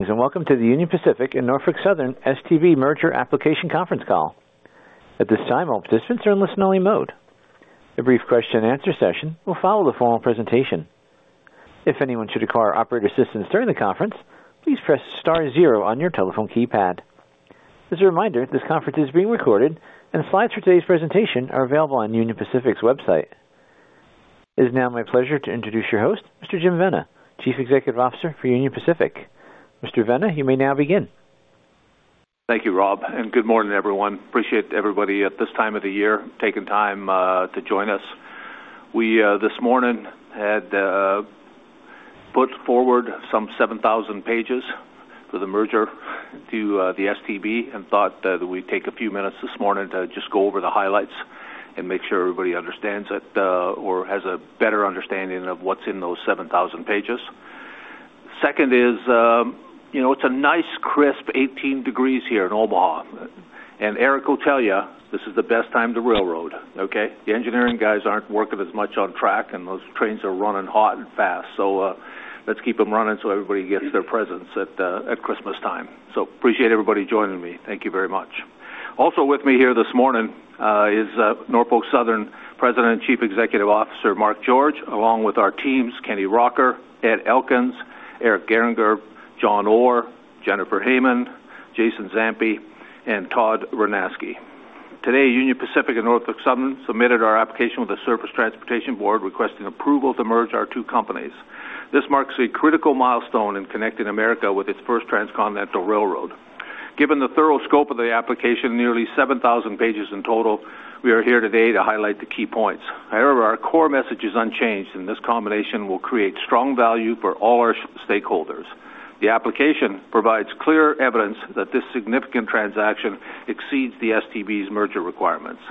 Welcome to the Union Pacific and Norfolk Southern STB Merger Application Conference Call. At this time, all participants are in listen-only mode. A brief question-and-answer session will follow the formal presentation. If anyone should require operator assistance during the conference, please press star zero on your telephone keypad. As a reminder, this conference is being recorded, and slides for today's presentation are available on Union Pacific's website. It is now my pleasure to introduce your host, Mr. Jim Vena, Chief Executive Officer for Union Pacific. Mr. Vena, you may now begin. Thank you, Rob, and good morning, everyone. Appreciate everybody at this time of the year taking time to join us. We this morning had put forward some 7,000 pages for the merger to the STB and thought that we'd take a few minutes this morning to just go over the highlights and make sure everybody understands it or has a better understanding of what's in those 7,000 pages. Second is, you know, it's a nice crisp 18 degrees here in Omaha, and Eric will tell you this is the best time to railroad, okay? The engineering guys aren't working as much on track, and those trains are running hot and fast, so let's keep them running so everybody gets their presents at Christmas time. So appreciate everybody joining me. Thank you very much. Also with me here this morning is Norfolk Southern President and Chief Executive Officer Mark George, along with our teams, Kenny Rocker, Ed Elkins, Eric Gehringer, John Orr, Jennifer Hamann, Jason Zampi, and Todd Ryniski. Today, Union Pacific and Norfolk Southern submitted our application with the Surface Transportation Board, requesting approval to merge our two companies. This marks a critical milestone in connecting America with its first transcontinental railroad. Given the thorough scope of the application, nearly 7,000 pages in total, we are here today to highlight the key points. However, our core message is unchanged, and this combination will create strong value for all our stakeholders. The application provides clear evidence that this significant transaction exceeds the STB's merger requirements.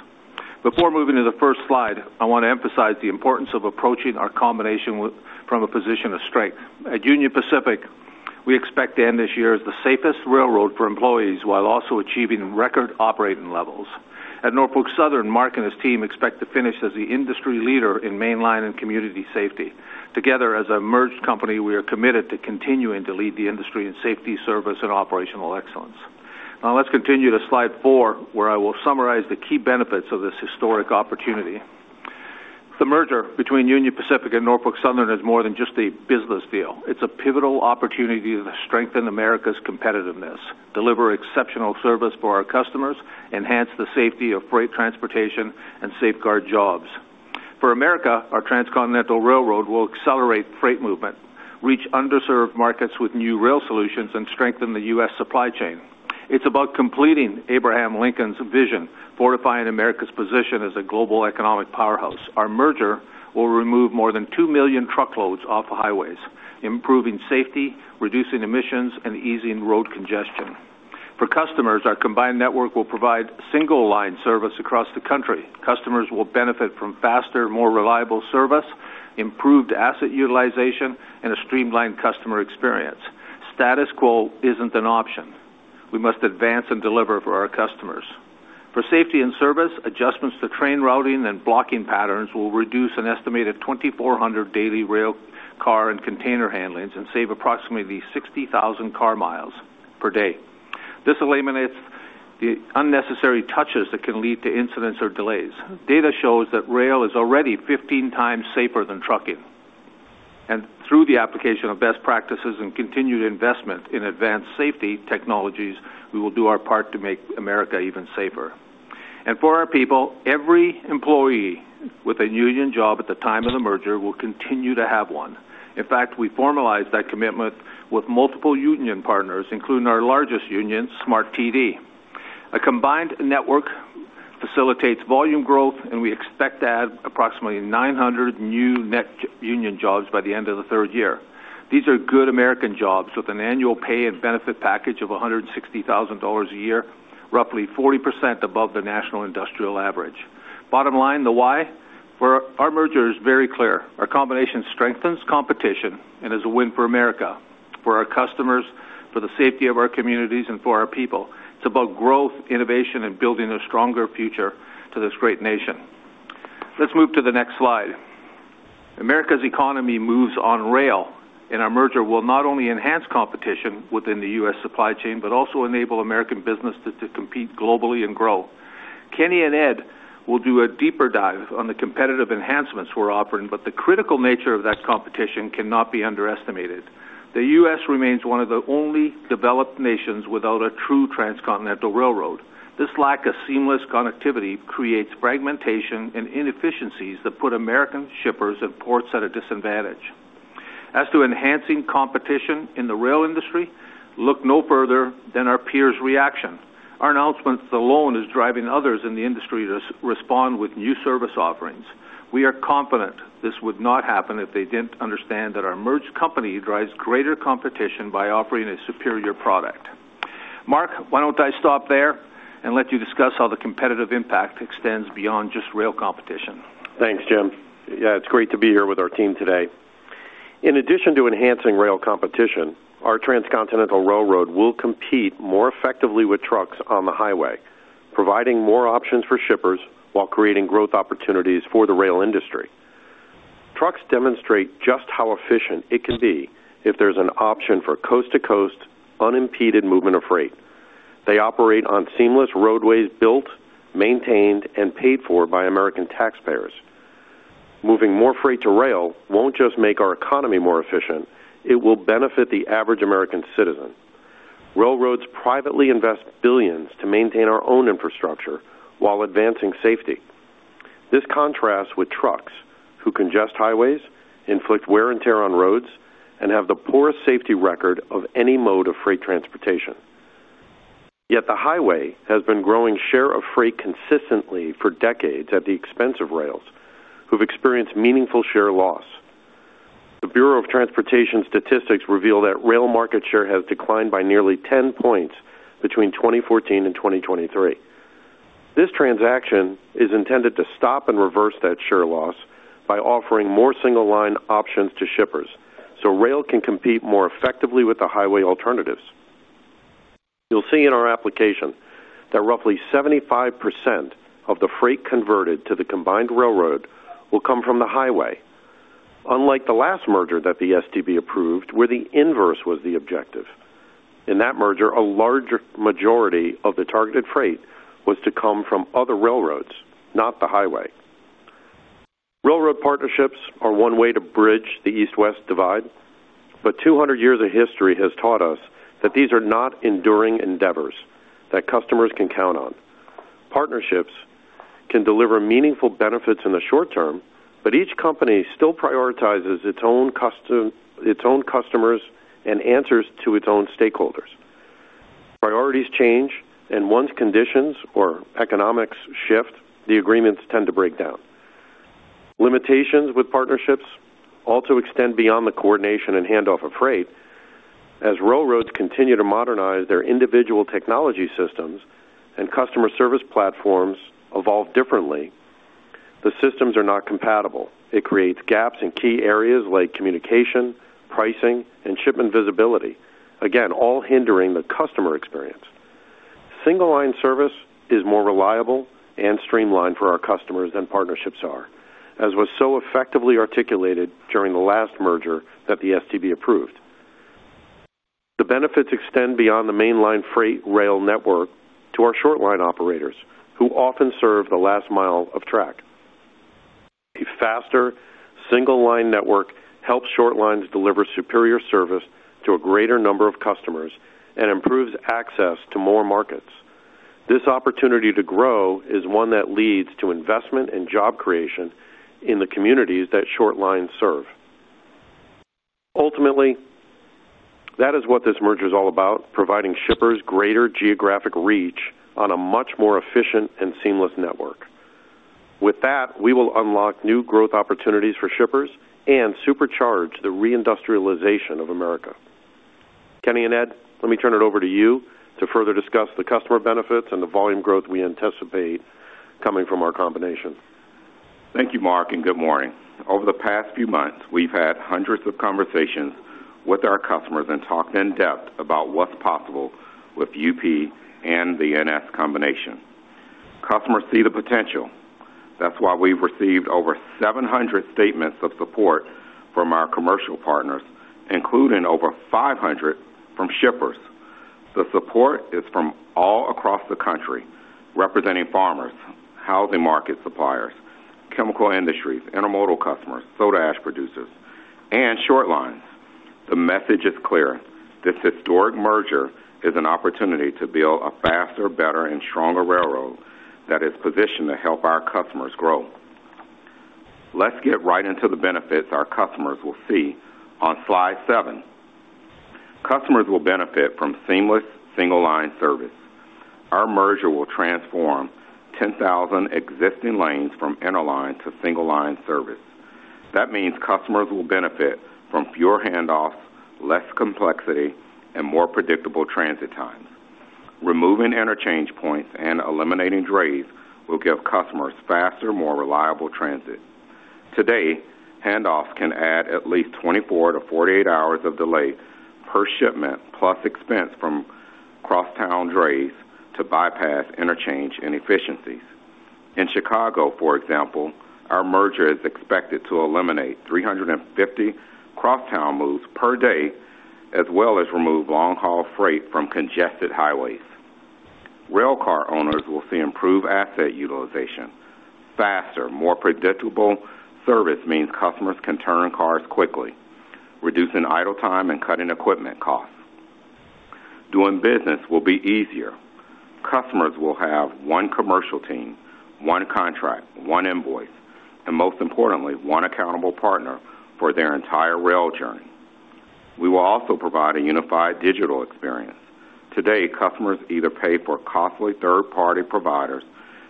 Before moving to the first slide, I want to emphasize the importance of approaching our combination from a position of strength. At Union Pacific, we expect to end this year as the safest railroad for employees while also achieving record operating levels. At Norfolk Southern, Mark and his team expect to finish as the industry leader in mainline and community safety. Together, as a merged company, we are committed to continuing to lead the industry in safety, service, and operational excellence. Now, let's continue to slide four, where I will summarize the key benefits of this historic opportunity. The merger between Union Pacific and Norfolk Southern is more than just a business deal. It's a pivotal opportunity to strengthen America's competitiveness, deliver exceptional service for our customers, enhance the safety of freight transportation, and safeguard jobs. For America, our transcontinental railroad will accelerate freight movement, reach underserved markets with new rail solutions, and strengthen the U.S. supply chain. It's about completing Abraham Lincoln's vision, fortifying America's position as a global economic powerhouse. Our merger will remove more than 2 million truckloads off the highways, improving safety, reducing emissions, and easing road congestion. For customers, our combined network will provide single-line service across the country. Customers will benefit from faster, more reliable service, improved asset utilization, and a streamlined customer experience. Status quo isn't an option. We must advance and deliver for our customers. For safety and service, adjustments to train routing and blocking patterns will reduce an estimated 2,400 daily rail car and container handlings and save approximately 60,000 car miles per day. This eliminates the unnecessary touches that can lead to incidents or delays. Data shows that rail is already 15 times safer than trucking. Through the application of best practices and continued investment in advanced safety technologies, we will do our part to make America even safer. For our people, every employee with a union job at the time of the merger will continue to have one. In fact, we formalized that commitment with multiple union partners, including our largest union, SMART-TD. A combined network facilitates volume growth, and we expect to add approximately 900 new net union jobs by the end of the third year. These are good American jobs with an annual pay and benefit package of $160,000 a year, roughly 40% above the national industrial average. Bottom line, the why? For our merger, it's very clear. Our combination strengthens competition and is a win for America, for our customers, for the safety of our communities, and for our people. It's about growth, innovation, and building a stronger future for this great nation. Let's move to the next slide. America's economy moves on rail, and our merger will not only enhance competition within the U.S. supply chain but also enable American businesses to compete globally and grow. Kenny and Ed will do a deeper dive on the competitive enhancements we're offering, but the critical nature of that competition cannot be underestimated. The U.S. remains one of the only developed nations without a true transcontinental railroad. This lack of seamless connectivity creates fragmentation and inefficiencies that put American shippers and ports at a disadvantage. As to enhancing competition in the rail industry, look no further than our peers' reaction. Our announcement alone is driving others in the industry to respond with new service offerings. We are confident this would not happen if they didn't understand that our merged company drives greater competition by offering a superior product. Mark, why don't I stop there and let you discuss how the competitive impact extends beyond just rail competition? Thanks, Jim. Yeah, it's great to be here with our team today. In addition to enhancing rail competition, our transcontinental railroad will compete more effectively with trucks on the highway, providing more options for shippers while creating growth opportunities for the rail industry. Trucks demonstrate just how efficient it can be if there's an option for coast-to-coast, unimpeded movement of freight. They operate on seamless roadways built, maintained, and paid for by American taxpayers. Moving more freight to rail won't just make our economy more efficient. It will benefit the average American citizen. Railroads privately invest billions to maintain our own infrastructure while advancing safety. This contrasts with trucks who congest highways, inflict wear and tear on roads, and have the poorest safety record of any mode of freight transportation. Yet the highway has been growing share of freight consistently for decades at the expense of rails, who've experienced meaningful share loss. The Bureau of Transportation Statistics revealed that rail market share has declined by nearly 10 points between 2014 and 2023. This transaction is intended to stop and reverse that share loss by offering more single-line options to shippers so rail can compete more effectively with the highway alternatives. You'll see in our application that roughly 75% of the freight converted to the combined railroad will come from the highway. Unlike the last merger that the STB approved, where the inverse was the objective. In that merger, a large majority of the targeted freight was to come from other railroads, not the highway. Railroad partnerships are one way to bridge the East-West divide, but 200 years of history has taught us that these are not enduring endeavors that customers can count on. Partnerships can deliver meaningful benefits in the short term, but each company still prioritizes its own customers and answers to its own stakeholders. Priorities change, and once conditions or economics shift, the agreements tend to break down. Limitations with partnerships also extend beyond the coordination and handoff of freight. As railroads continue to modernize their individual technology systems and customer service platforms evolve differently, the systems are not compatible. It creates gaps in key areas like communication, pricing, and shipment visibility, again, all hindering the customer experience. Single-line service is more reliable and streamlined for our customers than partnerships are, as was so effectively articulated during the last merger that the STB approved. The benefits extend beyond the mainline freight rail network to our short-line operators, who often serve the last mile of track. A faster, single-line network helps short lines deliver superior service to a greater number of customers and improves access to more markets. This opportunity to grow is one that leads to investment and job creation in the communities that short lines serve. Ultimately, that is what this merger is all about: providing shippers greater geographic reach on a much more efficient and seamless network. With that, we will unlock new growth opportunities for shippers and supercharge the reindustrialization of America. Kenny and Ed, let me turn it over to you to further discuss the customer benefits and the volume growth we anticipate coming from our combination. Thank you, Mark, and good morning. Over the past few months, we've had hundreds of conversations with our customers and talked in depth about what's possible with UP and the NS combination. Customers see the potential. That's why we've received over 700 statements of support from our commercial partners, including over 500 from shippers. The support is from all across the country, representing farmers, housing market suppliers, chemical industries, intermodal customers, soda ash producers, and short lines. The message is clear: this historic merger is an opportunity to build a faster, better, and stronger railroad that is positioned to help our customers grow. Let's get right into the benefits our customers will see on slide seven. Customers will benefit from seamless single-line service. Our merger will transform 10,000 existing lanes from interline to single-line service. That means customers will benefit from fewer handoffs, less complexity, and more predictable transit times. Removing interchange points and eliminating drays will give customers faster, more reliable transit. Today, handoffs can add at least 24-48 hours of delay per shipment, plus expense from crosstown drays to bypass interchange inefficiencies. In Chicago, for example, our merger is expected to eliminate 350 crosstown moves per day, as well as remove long-haul freight from congested highways. Railcar owners will see improved asset utilization. Faster, more predictable service means customers can turn cars quickly, reducing idle time and cutting equipment costs. Doing business will be easier. Customers will have one commercial team, one contract, one invoice, and most importantly, one accountable partner for their entire rail journey. We will also provide a unified digital experience. Today, customers either pay for costly third-party providers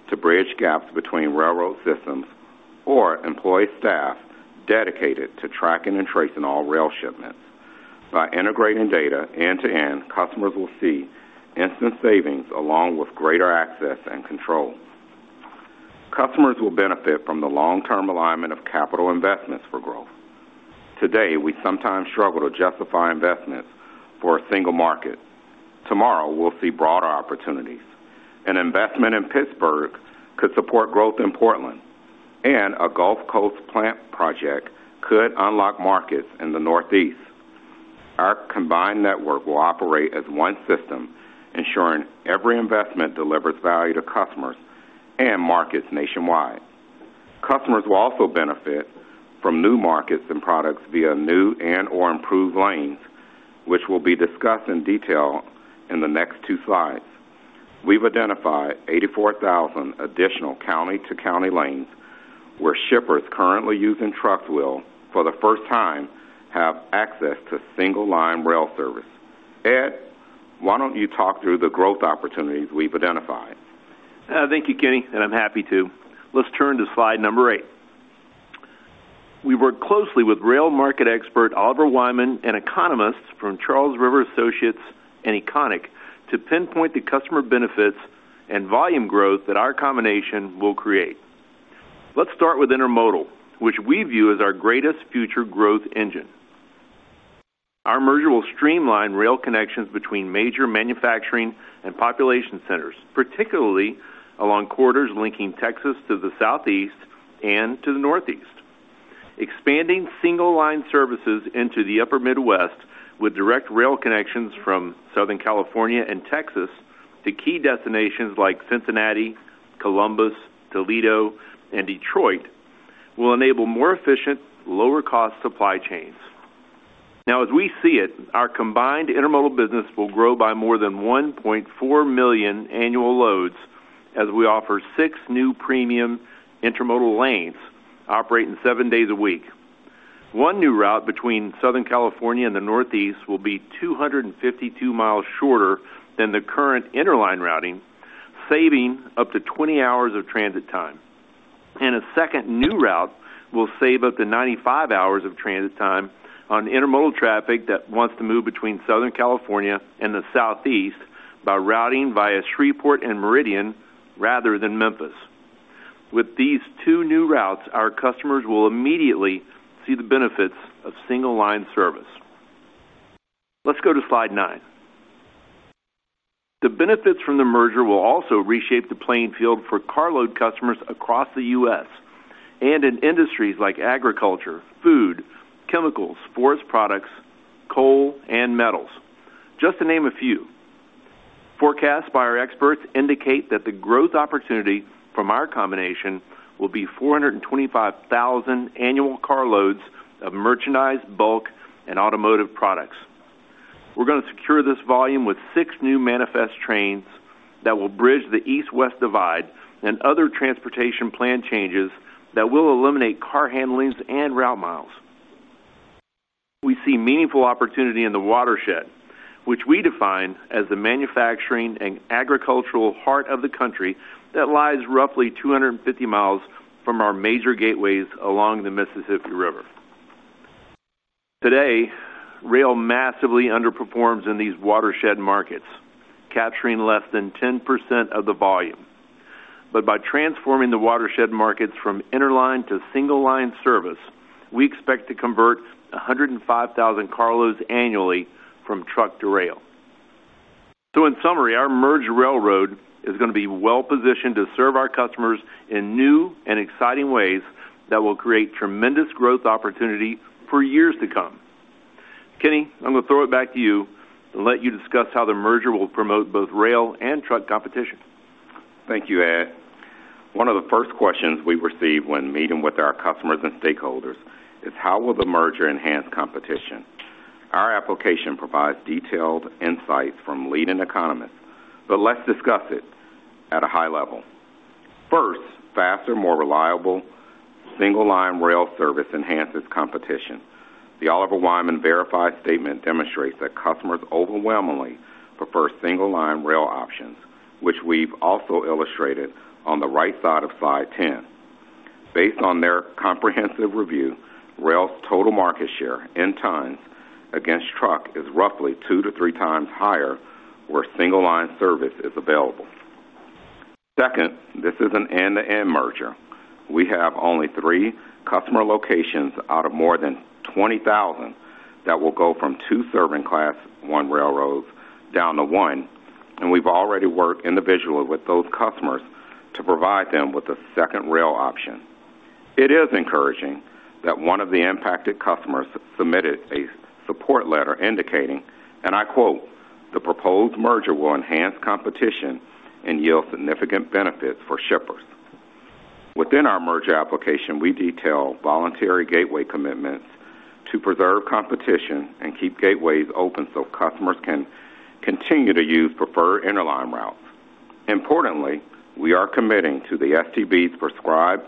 to bridge gaps between railroad systems or employ staff dedicated to tracking and tracing all rail shipments. By integrating data end-to-end, customers will see instant savings along with greater access and control. Customers will benefit from the long-term alignment of capital investments for growth. Today, we sometimes struggle to justify investments for a single market. Tomorrow, we'll see broader opportunities. An investment in Pittsburgh could support growth in Portland, and a Gulf Coast plant project could unlock markets in the Northeast. Our combined network will operate as one system, ensuring every investment delivers value to customers and markets nationwide. Customers will also benefit from new markets and products via new and or improved lanes, which will be discussed in detail in the next two slides. We've identified 84,000 additional county-to-county lanes where shippers currently using trucks for the first time have access to single-line rail service. Ed, why don't you talk through the growth opportunities we've identified? Thank you, Kenny, and I'm happy to. Let's turn to slide number eight. We've worked closely with rail market expert Oliver Wyman and economists from Charles River Associates and EconiQ to pinpoint the customer benefits and volume growth that our combination will create. Let's start with intermodal, which we view as our greatest future growth engine. Our merger will streamline rail connections between major manufacturing and population centers, particularly along corridors linking Texas to the Southeast and to the Northeast. Expanding single-line services into the Upper Midwest with direct rail connections from Southern California and Texas to key destinations like Cincinnati, Columbus, Toledo, and Detroit will enable more efficient, lower-cost supply chains. Now, as we see it, our combined intermodal business will grow by more than 1.4 million annual loads as we offer six new premium intermodal lanes operating seven days a week. One new route between Southern California and the Northeast will be 252 miles shorter than the current interline routing, saving up to 20 hours of transit time, and a second new route will save up to 95 hours of transit time on intermodal traffic that wants to move between Southern California and the Southeast by routing via Shreveport and Meridian rather than Memphis. With these two new routes, our customers will immediately see the benefits of single-line service. Let's go to slide nine. The benefits from the merger will also reshape the playing field for carload customers across the U.S. and in industries like agriculture, food, chemicals, sports products, coal, and metals, just to name a few. Forecasts by our experts indicate that the growth opportunity from our combination will be 425,000 annual carloads of merchandise, bulk, and automotive products. We're going to secure this volume with six new manifest trains that will bridge the East-West divide and other transportation plan changes that will eliminate car handlings and route miles. We see meaningful opportunity in the watershed, which we define as the manufacturing and agricultural heart of the country that lies roughly 250 miles from our major gateways along the Mississippi River. Today, rail massively underperforms in these watershed markets, capturing less than 10% of the volume. But by transforming the watershed markets from interline to single-line service, we expect to convert 105,000 carloads annually from truck to rail. So, in summary, our merged railroad is going to be well-positioned to serve our customers in new and exciting ways that will create tremendous growth opportunity for years to come. Kenny, I'm going to throw it back to you and let you discuss how the merger will promote both rail and truck competition. Thank you, Ed. One of the first questions we receive when meeting with our customers and stakeholders is, how will the merger enhance competition? Our application provides detailed insights from leading economists, but let's discuss it at a high level. First, faster, more reliable single-line rail service enhances competition. The Oliver Wyman verified statement demonstrates that customers overwhelmingly prefer single-line rail options, which we've also illustrated on the right side of slide 10. Based on their comprehensive review, rail's total market share in tons against truck is roughly two to three times higher where single-line service is available. Second, this is an end-to-end merger. We have only three customer locations out of more than 20,000 that will go from two serving class one railroads down to one, and we've already worked individually with those customers to provide them with a second rail option. It is encouraging that one of the impacted customers submitted a support letter indicating, and I quote, "The proposed merger will enhance competition and yield significant benefits for shippers." Within our merger application, we detail voluntary gateway commitments to preserve competition and keep gateways open so customers can continue to use preferred interline routes. Importantly, we are committing to the STB's prescribed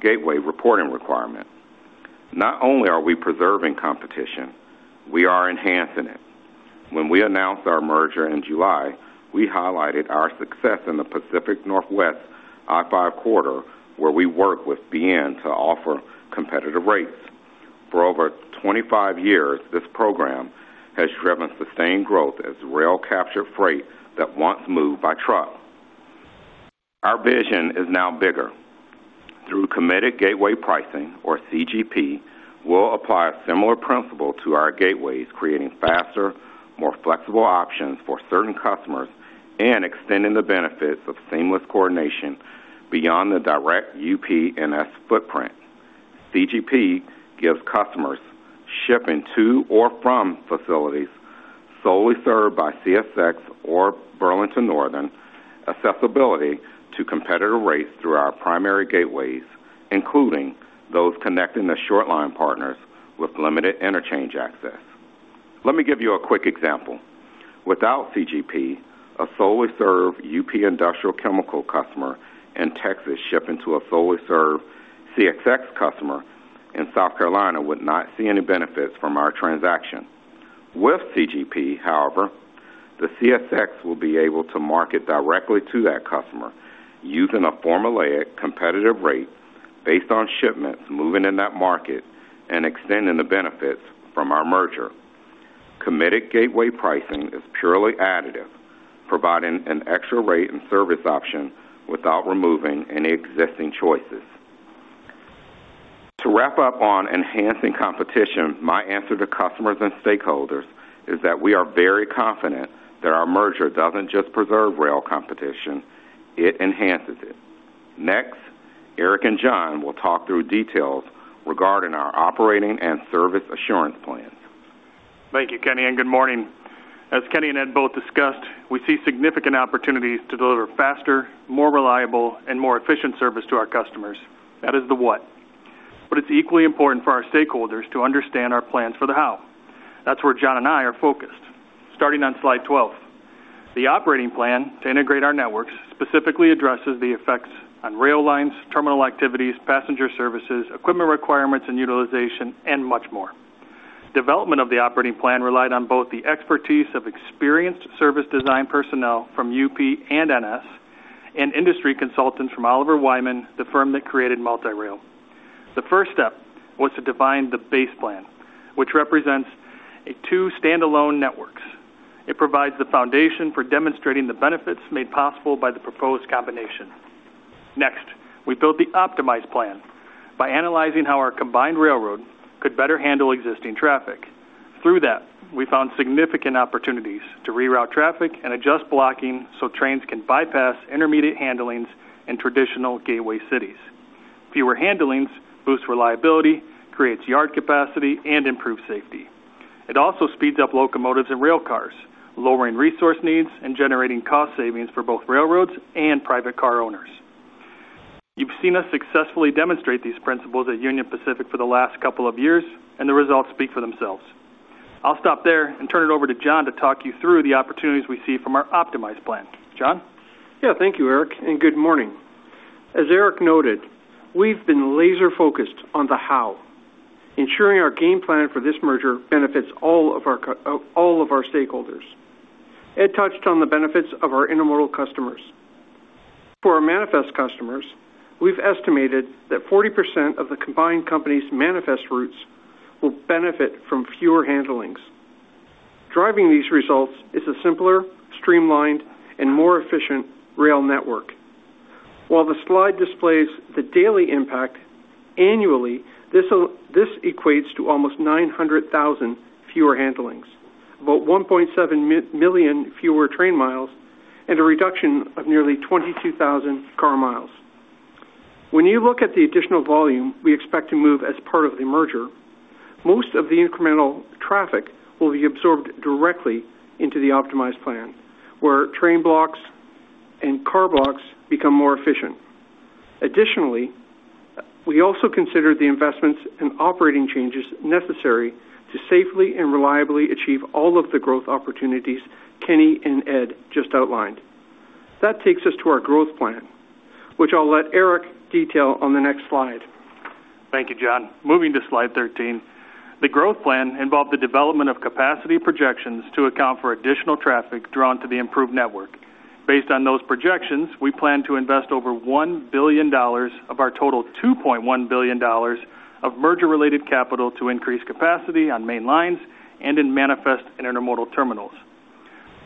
gateway reporting requirement. Not only are we preserving competition, we are enhancing it. When we announced our merger in July, we highlighted our success in the Pacific Northwest I-5 corridor, where we work with BN to offer competitive rates. For over 25 years, this program has driven sustained growth as rail captured freight that once moved by truck. Our vision is now bigger. Through Committed Gateway Pricing, or CGP, we'll apply a similar principle to our gateways, creating faster, more flexible options for certain customers and extending the benefits of seamless coordination beyond the direct UP-NS footprint. CGP gives customers shipping to or from facilities solely served by CSX or Burlington Northern accessibility to competitive rates through our primary gateways, including those connecting the short-line partners with limited interchange access. Let me give you a quick example. Without CGP, a solely served UP Industrial Chemical customer in Texas shipping to a solely served CSX customer in South Carolina would not see any benefits from our transaction. With CGP, however, the CSX will be able to market directly to that customer using a formulaic competitive rate based on shipments moving in that market and extending the benefits from our merger. Committed Gateway Pricing is purely additive, providing an extra rate and service option without removing any existing choices. To wrap up on enhancing competition, my answer to customers and stakeholders is that we are very confident that our merger doesn't just preserve rail competition. It enhances it. Next, Eric and John will talk through details regarding our operating and service assurance plans. Thank you, Kenny, and good morning. As Kenny and Ed both discussed, we see significant opportunities to deliver faster, more reliable, and more efficient service to our customers. That is the what. But it's equally important for our stakeholders to understand our plans for the how. That's where John and I are focused. Starting on slide 12, the operating plan to integrate our networks specifically addresses the effects on rail lines, terminal activities, passenger services, equipment requirements and utilization, and much more. Development of the operating plan relied on both the expertise of experienced service design personnel from UP and NS and industry consultants from Oliver Wyman, the firm that created MultiRail. The first step was to define the base plan, which represents two standalone networks. It provides the foundation for demonstrating the benefits made possible by the proposed combination. Next, we built the optimized plan by analyzing how our combined railroad could better handle existing traffic. Through that, we found significant opportunities to reroute traffic and adjust blocking so trains can bypass intermediate handlings in traditional gateway cities. Fewer handlings boost reliability, create yard capacity, and improve safety. It also speeds up locomotives and railcars, lowering resource needs and generating cost savings for both railroads and private car owners. You've seen us successfully demonstrate these principles at Union Pacific for the last couple of years, and the results speak for themselves. I'll stop there and turn it over to John to talk you through the opportunities we see from our optimized plan. John? Yeah, thank you, Eric, and good morning. As Eric noted, we've been laser-focused on the how. Ensuring our game plan for this merger benefits all of our stakeholders. Ed touched on the benefits of our intermodal customers. For our manifest customers, we've estimated that 40% of the combined company's manifest routes will benefit from fewer handlings. Driving these results is a simpler, streamlined, and more efficient rail network. While the slide displays the daily impact, annually, this equates to almost 900,000 fewer handlings, about 1.7 million fewer train miles, and a reduction of nearly 22,000 car miles. When you look at the additional volume we expect to move as part of the merger, most of the incremental traffic will be absorbed directly into the optimized plan, where train blocks and car blocks become more efficient. Additionally, we also consider the investments and operating changes necessary to safely and reliably achieve all of the growth opportunities Kenny and Ed just outlined. That takes us to our growth plan, which I'll let Eric detail on the next slide. Thank you, John. Moving to slide 13, the growth plan involved the development of capacity projections to account for additional traffic drawn to the improved network. Based on those projections, we plan to invest over $1 billion of our total $2.1 billion of merger-related capital to increase capacity on main lines and in manifest and intermodal terminals.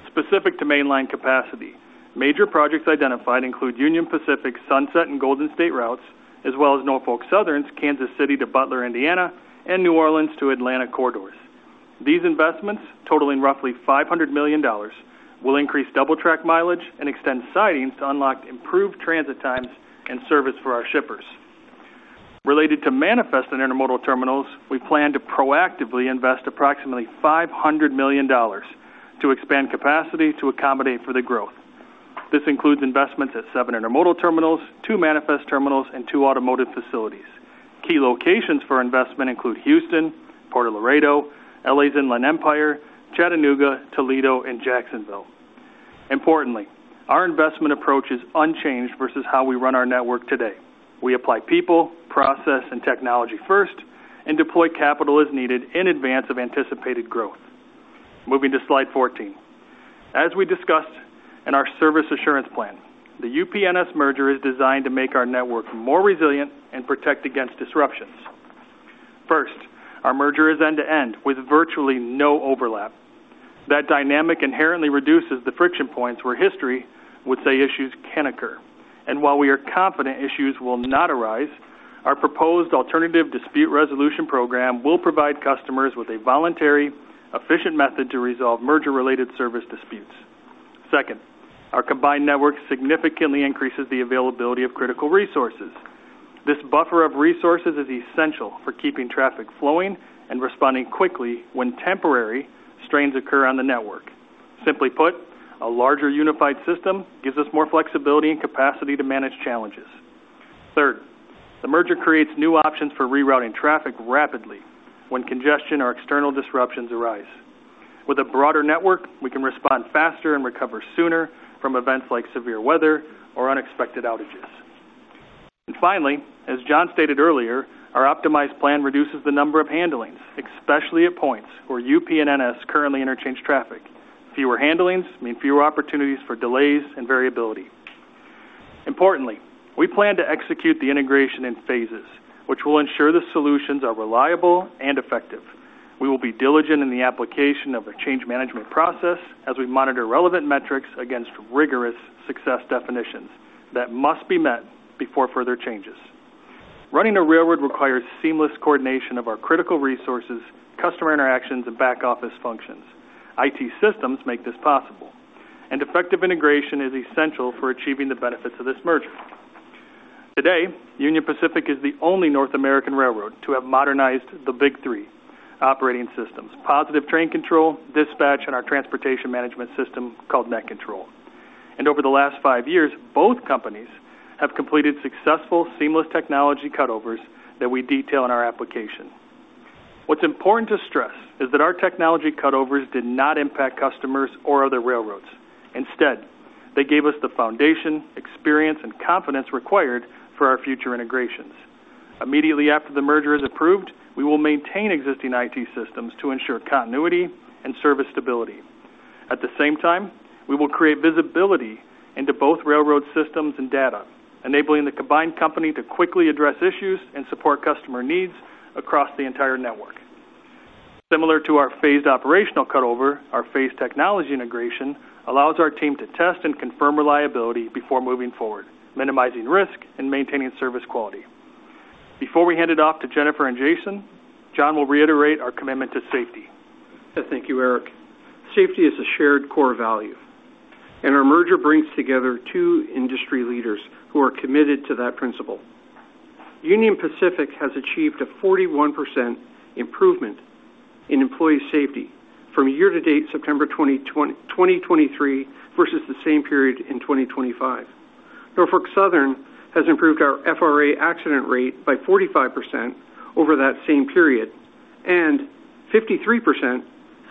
Specific to main line capacity, major projects identified include Union Pacific, Sunset, and Golden State routes, as well as Norfolk Southern's Kansas City to Butler, Indiana, and New Orleans to Atlanta corridors. These investments, totaling roughly $500 million, will increase double-track mileage and extend sidings to unlock improved transit times and service for our shippers. Related to manifest and intermodal terminals, we plan to proactively invest approximately $500 million to expand capacity to accommodate for the growth. This includes investments at seven intermodal terminals, two manifest terminals, and two automotive facilities. Key locations for investment include Houston, Port Laredo, LA's Inland Empire, Chattanooga, Toledo, and Jacksonville. Importantly, our investment approach is unchanged versus how we run our network today. We apply people, process, and technology first and deploy capital as needed in advance of anticipated growth. Moving to slide 14, as we discussed in our service assurance plan, the UP-NS merger is designed to make our network more resilient and protect against disruptions. First, our merger is end-to-end with virtually no overlap. That dynamic inherently reduces the friction points where history would say issues can occur. And while we are confident issues will not arise, our proposed alternative dispute resolution program will provide customers with a voluntary, efficient method to resolve merger-related service disputes. Second, our combined network significantly increases the availability of critical resources. This buffer of resources is essential for keeping traffic flowing and responding quickly when temporary strains occur on the network. Simply put, a larger unified system gives us more flexibility and capacity to manage challenges. Third, the merger creates new options for rerouting traffic rapidly when congestion or external disruptions arise. With a broader network, we can respond faster and recover sooner from events like severe weather or unexpected outages. And finally, as John stated earlier, our optimized plan reduces the number of handlings, especially at points where UP and NS currently interchange traffic. Fewer handlings mean fewer opportunities for delays and variability. Importantly, we plan to execute the integration in phases, which will ensure the solutions are reliable and effective. We will be diligent in the application of a change management process as we monitor relevant metrics against rigorous success definitions that must be met before further changes. Running a railroad requires seamless coordination of our critical resources, customer interactions, and back office functions. IT systems make this possible, and effective integration is essential for achieving the benefits of this merger. Today, Union Pacific is the only North American railroad to have modernized the big three operating systems: Positive Train Control, dispatch, and our transportation management system called NetControl. And over the last five years, both companies have completed successful seamless technology cutovers that we detail in our application. What's important to stress is that our technology cutovers did not impact customers or other railroads. Instead, they gave us the foundation, experience, and confidence required for our future integrations. Immediately after the merger is approved, we will maintain existing IT systems to ensure continuity and service stability. At the same time, we will create visibility into both railroad systems and data, enabling the combined company to quickly address issues and support customer needs across the entire network. Similar to our phased operational cutover, our phased technology integration allows our team to test and confirm reliability before moving forward, minimizing risk and maintaining service quality. Before we hand it off to Jennifer and Jason, John will reiterate our commitment to safety. Thank you, Eric. Safety is a shared core value, and our merger brings together two industry leaders who are committed to that principle. Union Pacific has achieved a 41% improvement in employee safety from year to date, September 2023, versus the same period in 2025. Norfolk Southern has improved our FRA accident rate by 45% over that same period and 53%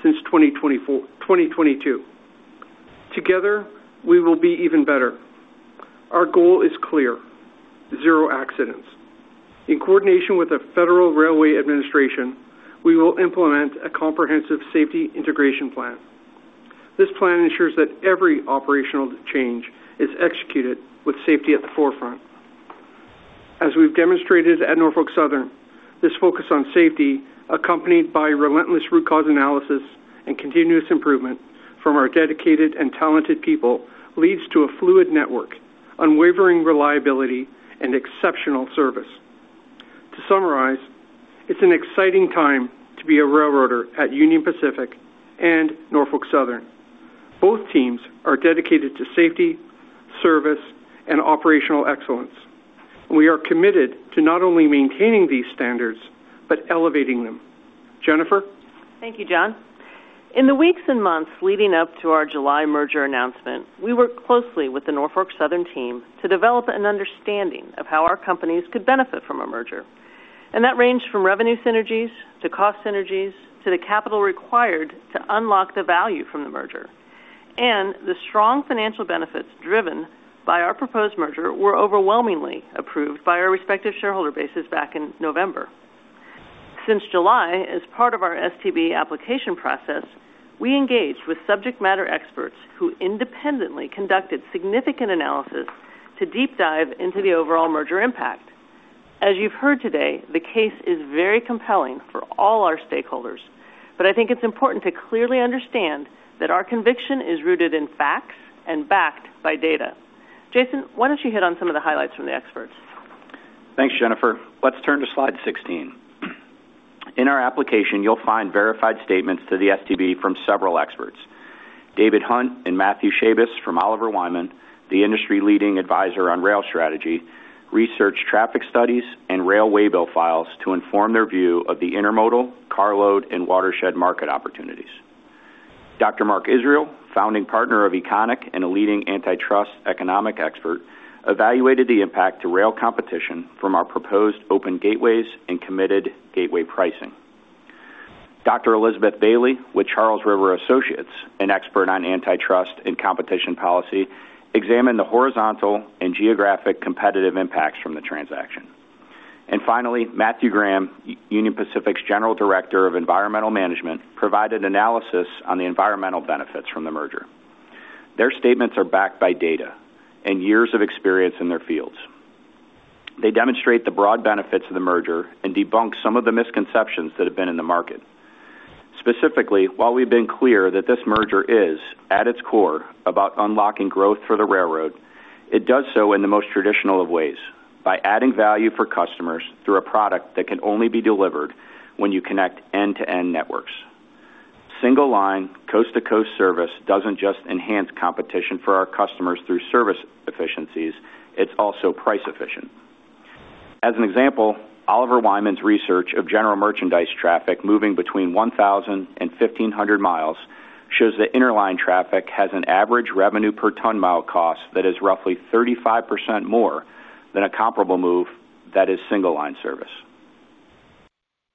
since 2022. Together, we will be even better. Our goal is clear: zero accidents. In coordination with the Federal Railroad Administration, we will implement a comprehensive safety integration plan. This plan ensures that every operational change is executed with safety at the forefront. As we've demonstrated at Norfolk Southern, this focus on safety, accompanied by relentless root cause analysis and continuous improvement from our dedicated and talented people, leads to a fluid network, unwavering reliability, and exceptional service. To summarize, it's an exciting time to be a railroader at Union Pacific and Norfolk Southern. Both teams are dedicated to safety, service, and operational excellence. We are committed to not only maintaining these standards, but elevating them. Jennifer? Thank you, John. In the weeks and months leading up to our July merger announcement, we worked closely with the Norfolk Southern team to develop an understanding of how our companies could benefit from a merger, and that ranged from revenue synergies to cost synergies to the capital required to unlock the value from the merger, and the strong financial benefits driven by our proposed merger were overwhelmingly approved by our respective shareholder bases back in November. Since July, as part of our STB application process, we engaged with subject matter experts who independently conducted significant analysis to deep dive into the overall merger impact. As you've heard today, the case is very compelling for all our stakeholders, but I think it's important to clearly understand that our conviction is rooted in facts and backed by data. Jason, why don't you hit on some of the highlights from the experts? Thanks, Jennifer. Let's turn to slide 16. In our application, you'll find verified statements to the STB from several experts. David Hunt and Matthew Chabis from Oliver Wyman, the industry-leading advisor on rail strategy, researched traffic studies and rail waybill files to inform their view of the intermodal, carload, and watershed market opportunities. Dr. Mark Israel, founding partner of EconiQ and a leading antitrust economic expert, evaluated the impact to rail competition from our proposed open gateways and Committed Gateway Pricing. Dr. Elizabeth Bailey with Charles River Associates, an expert on antitrust and competition policy, examined the horizontal and geographic competitive impacts from the transaction. And finally, Matthew Graham, Union Pacific's general director of environmental management, provided analysis on the environmental benefits from the merger. Their statements are backed by data and years of experience in their fields. They demonstrate the broad benefits of the merger and debunk some of the misconceptions that have been in the market. Specifically, while we've been clear that this merger is, at its core, about unlocking growth for the railroad, it does so in the most traditional of ways: by adding value for customers through a product that can only be delivered when you connect end-to-end networks. Single-line, coast-to-coast service doesn't just enhance competition for our customers through service efficiencies. It's also price-efficient. As an example, Oliver Wyman's research of general merchandise traffic moving between 1,000 and 1,500 miles shows that interline traffic has an average revenue per ton-mile cost that is roughly 35% more than a comparable move that is single-line service.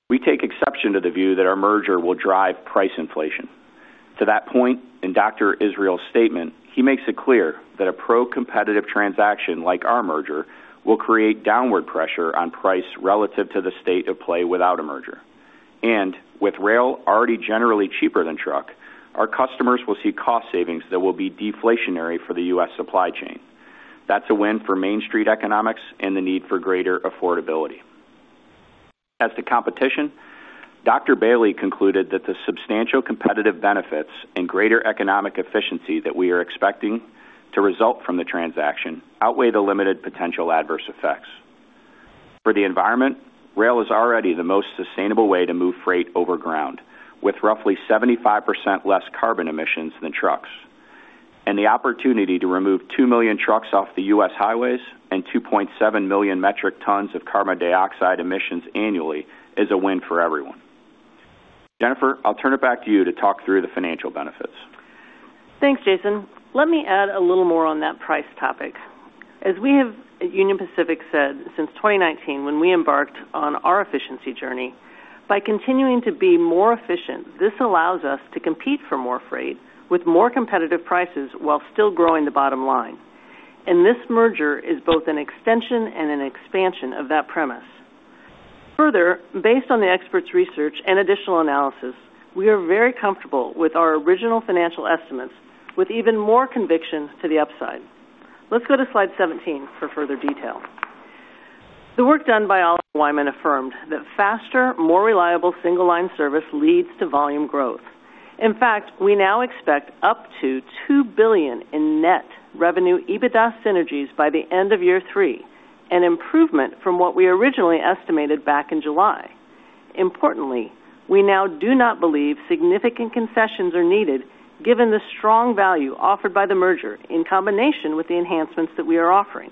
We take exception to the view that our merger will drive price inflation. To that point, in Dr. Israel's statement, he makes it clear that a pro-competitive transaction like our merger will create downward pressure on price relative to the state of play without a merger. And with rail already generally cheaper than trucks, our customers will see cost savings that will be deflationary for the U.S. supply chain. That's a win for Main Street economics and the need for greater affordability. As to competition, Dr. Bailey concluded that the substantial competitive benefits and greater economic efficiency that we are expecting to result from the transaction outweigh the limited potential adverse effects. For the environment, rail is already the most sustainable way to move freight over ground, with roughly 75% less carbon emissions than trucks. And the opportunity to remove 2 million trucks off the U.S. highways and 2.7 million metric tons of carbon dioxide emissions annually is a win for everyone. Jennifer, I'll turn it back to you to talk through the financial benefits. Thanks, Jason. Let me add a little more on that price topic. As we have, at Union Pacific, said since 2019, when we embarked on our efficiency journey, by continuing to be more efficient, this allows us to compete for more freight with more competitive prices while still growing the bottom line, and this merger is both an extension and an expansion of that premise. Further, based on the expert's research and additional analysis, we are very comfortable with our original financial estimates with even more conviction to the upside. Let's go to slide 17 for further detail. The work done by Oliver Wyman affirmed that faster, more reliable single-line service leads to volume growth. In fact, we now expect up to $2 billion in net revenue EBITDA synergies by the end of year three, an improvement from what we originally estimated back in July. Importantly, we now do not believe significant concessions are needed given the strong value offered by the merger in combination with the enhancements that we are offering.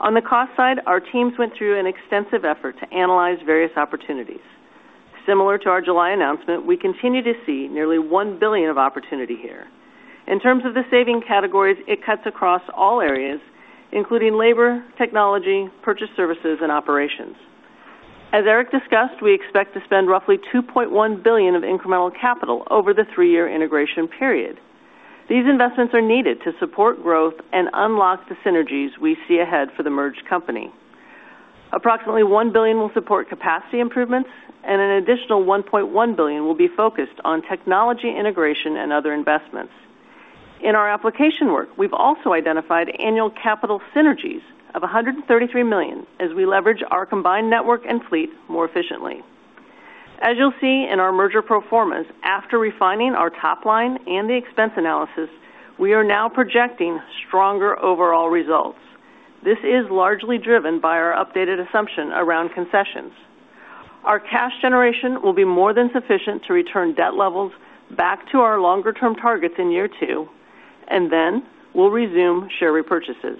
On the cost side, our teams went through an extensive effort to analyze various opportunities. Similar to our July announcement, we continue to see nearly $1 billion of opportunity here. In terms of the savings categories, it cuts across all areas, including labor, technology, purchased services, and operations. As Eric discussed, we expect to spend roughly $2.1 billion of incremental capital over the three-year integration period. These investments are needed to support growth and unlock the synergies we see ahead for the merged company. Approximately $1 billion will support capacity improvements, and an additional $1.1 billion will be focused on technology integration and other investments. In our application work, we've also identified annual capital synergies of $133 million as we leverage our combined network and fleet more efficiently. As you'll see in our merger pro formas, after refining our top line and the expense analysis, we are now projecting stronger overall results. This is largely driven by our updated assumption around concessions. Our cash generation will be more than sufficient to return debt levels back to our longer-term targets in year two, and then we'll resume share repurchases.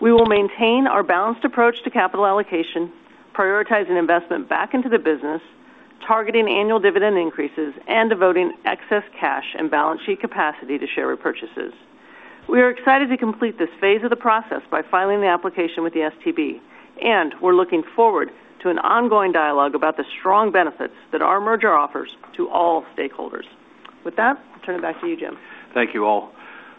We will maintain our balanced approach to capital allocation, prioritizing investment back into the business, targeting annual dividend increases, and devoting excess cash and balance sheet capacity to share repurchases. We are excited to complete this phase of the process by filing the application with the STB, and we're looking forward to an ongoing dialogue about the strong benefits that our merger offers to all stakeholders. With that, I'll turn it back to you, Jim. Thank you all.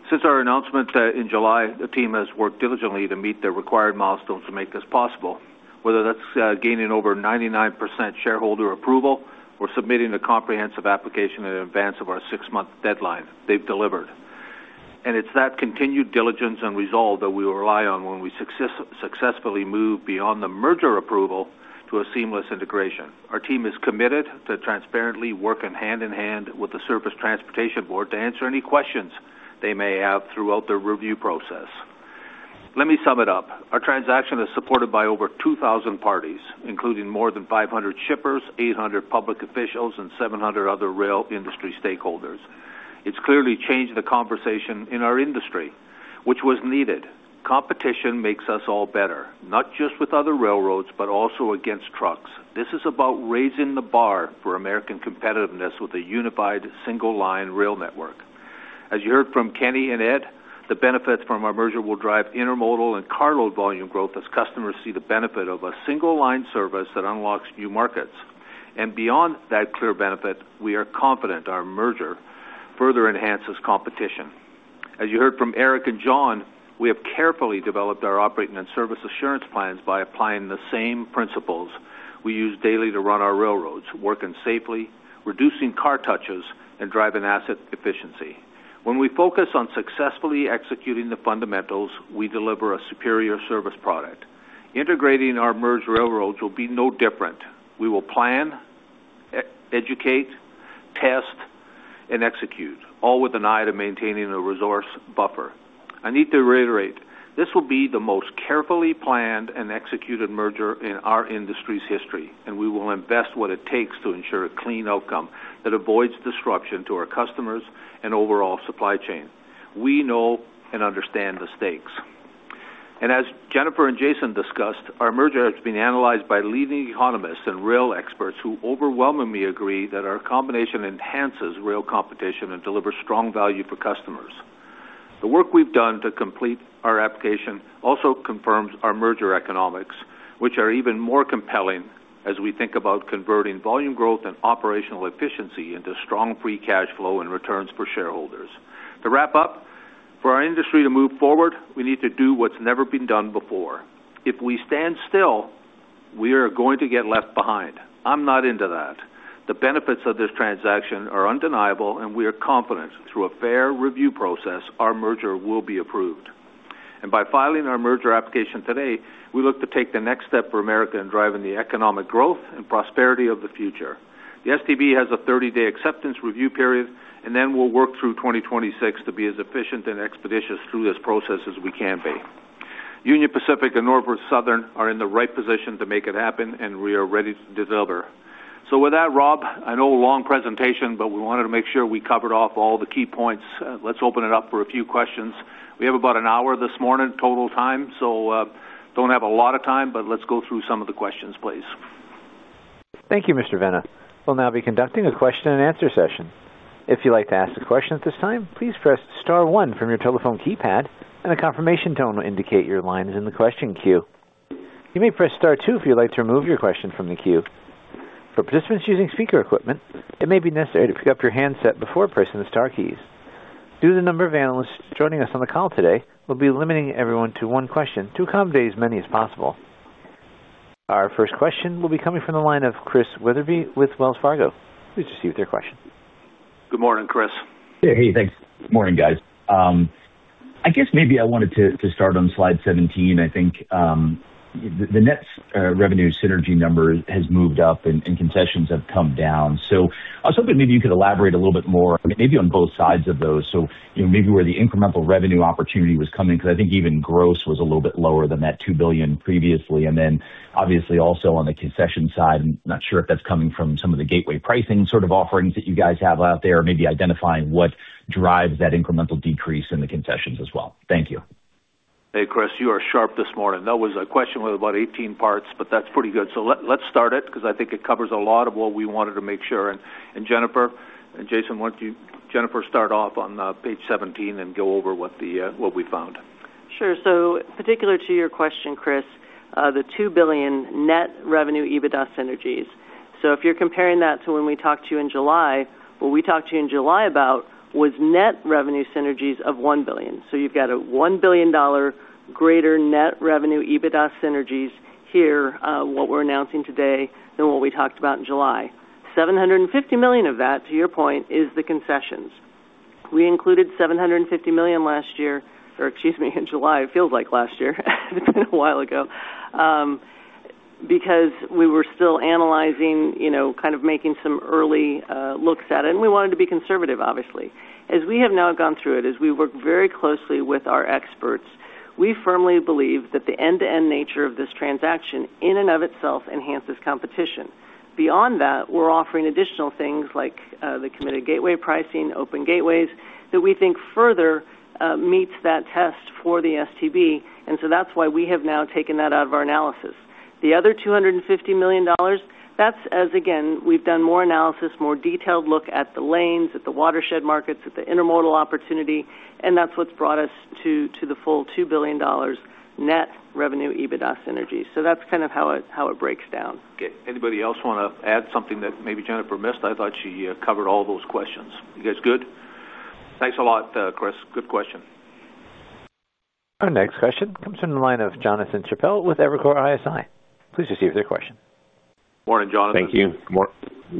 Since our announcement in July, the team has worked diligently to meet the required milestones to make this possible, whether that's gaining over 99% shareholder approval or submitting a comprehensive application in advance of our six-month deadline. They've delivered. And it's that continued diligence and resolve that we rely on when we successfully move beyond the merger approval to a seamless integration. Our team is committed to transparently working hand in hand with the Surface Transportation Board to answer any questions they may have throughout the review process. Let me sum it up. Our transaction is supported by over 2,000 parties, including more than 500 shippers, 800 public officials, and 700 other rail industry stakeholders. It's clearly changed the conversation in our industry, which was needed. Competition makes us all better, not just with other railroads, but also against trucks. This is about raising the bar for American competitiveness with a unified single-line rail network. As you heard from Kenny and Ed, the benefits from our merger will drive intermodal and carload volume growth as customers see the benefit of a single-line service that unlocks new markets. And beyond that clear benefit, we are confident our merger further enhances competition. As you heard from Eric and John, we have carefully developed our operating and service assurance plans by applying the same principles we use daily to run our railroads, working safely, reducing car touches, and driving asset efficiency. When we focus on successfully executing the fundamentals, we deliver a superior service product. Integrating our merged railroads will be no different. We will plan, educate, test, and execute, all with an eye to maintaining a resource buffer. I need to reiterate, this will be the most carefully planned and executed merger in our industry's history, and we will invest what it takes to ensure a clean outcome that avoids disruption to our customers and overall supply chain. We know and understand the stakes. And as Jennifer and Jason discussed, our merger has been analyzed by leading economists and rail experts who overwhelmingly agree that our combination enhances rail competition and delivers strong value for customers. The work we've done to complete our application also confirms our merger economics, which are even more compelling as we think about converting volume growth and operational efficiency into strong free cash flow and returns for shareholders. To wrap up, for our industry to move forward, we need to do what's never been done before. If we stand still, we are going to get left behind. I'm not into that. The benefits of this transaction are undeniable, and we are confident through a fair review process our merger will be approved, and by filing our merger application today, we look to take the next step for America in driving the economic growth and prosperity of the future. The STB has a 30-day acceptance review period, and then we'll work through 2026 to be as efficient and expeditious through this process as we can be. Union Pacific and Norfolk Southern are in the right position to make it happen, and we are ready to deliver, so with that, Rob, I know a long presentation, but we wanted to make sure we covered off all the key points. Let's open it up for a few questions. We have about an hour this morning total time, so don't have a lot of time, but let's go through some of the questions, please. Thank you, Mr. Vena. We'll now be conducting a question-and-answer session. If you'd like to ask a question at this time, please press star one from your telephone keypad, and a confirmation tone will indicate your line is in the question queue. You may press star two if you'd like to remove your question from the queue. For participants using speaker equipment, it may be necessary to pick up your handset before pressing the star keys. Due to the number of analysts joining us on the call today, we'll be limiting everyone to one question to accommodate as many as possible. Our first question will be coming from the line of Chris Wetherbee with Wells Fargo. Please proceed with your question. Good morning, Chris. Hey, thanks. Good morning, guys. I guess maybe I wanted to start on slide 17. I think the net revenue synergy number has moved up, and concessions have come down. So I was hoping maybe you could elaborate a little bit more, maybe on both sides of those, so maybe where the incremental revenue opportunity was coming, because I think even gross was a little bit lower than that $2 billion previously. And then, obviously, also on the concession side, I'm not sure if that's coming from some of the gateway pricing sort of offerings that you guys have out there, maybe identifying what drives that incremental decrease in the concessions as well. Thank you. Hey, Chris, you are sharp this morning. That was a question with about 18 parts, but that's pretty good. So let's start it because I think it covers a lot of what we wanted to make sure. And Jennifer and Jason, why don't you, Jennifer, start off on page 17 and go over what we found. Sure. So particular to your question, Chris, the $2 billion net revenue EBITDA synergies. So if you're comparing that to when we talked to you in July, what we talked to you in July about was net revenue synergies of $1 billion. So you've got a $1 billion greater net revenue EBITDA synergies here, what we're announcing today, than what we talked about in July. $750 million of that, to your point, is the concessions. We included $750 million last year, or excuse me, in July, it feels like last year. It's been a while ago, because we were still analyzing, kind of making some early looks at it, and we wanted to be conservative, obviously. As we have now gone through it, as we work very closely with our experts, we firmly believe that the end-to-end nature of this transaction in and of itself enhances competition. Beyond that, we're offering additional things like the Committed Gateway Pricing, open gateways, that we think further meets that test for the STB, and so that's why we have now taken that out of our analysis. The other $250 million, that's, again, we've done more analysis, more detailed look at the lanes, at the watershed markets, at the intermodal opportunity, and that's what's brought us to the full $2 billion net revenue EBITDA synergy. So that's kind of how it breaks down. Okay. Anybody else want to add something that maybe Jennifer missed? I thought she covered all those questions. You guys good? Thanks a lot, Chris. Good question. Our next question comes from the line of Jonathan Chappell with Evercore ISI. Please proceed with your question. Morning, Jonathan. Thank you. Good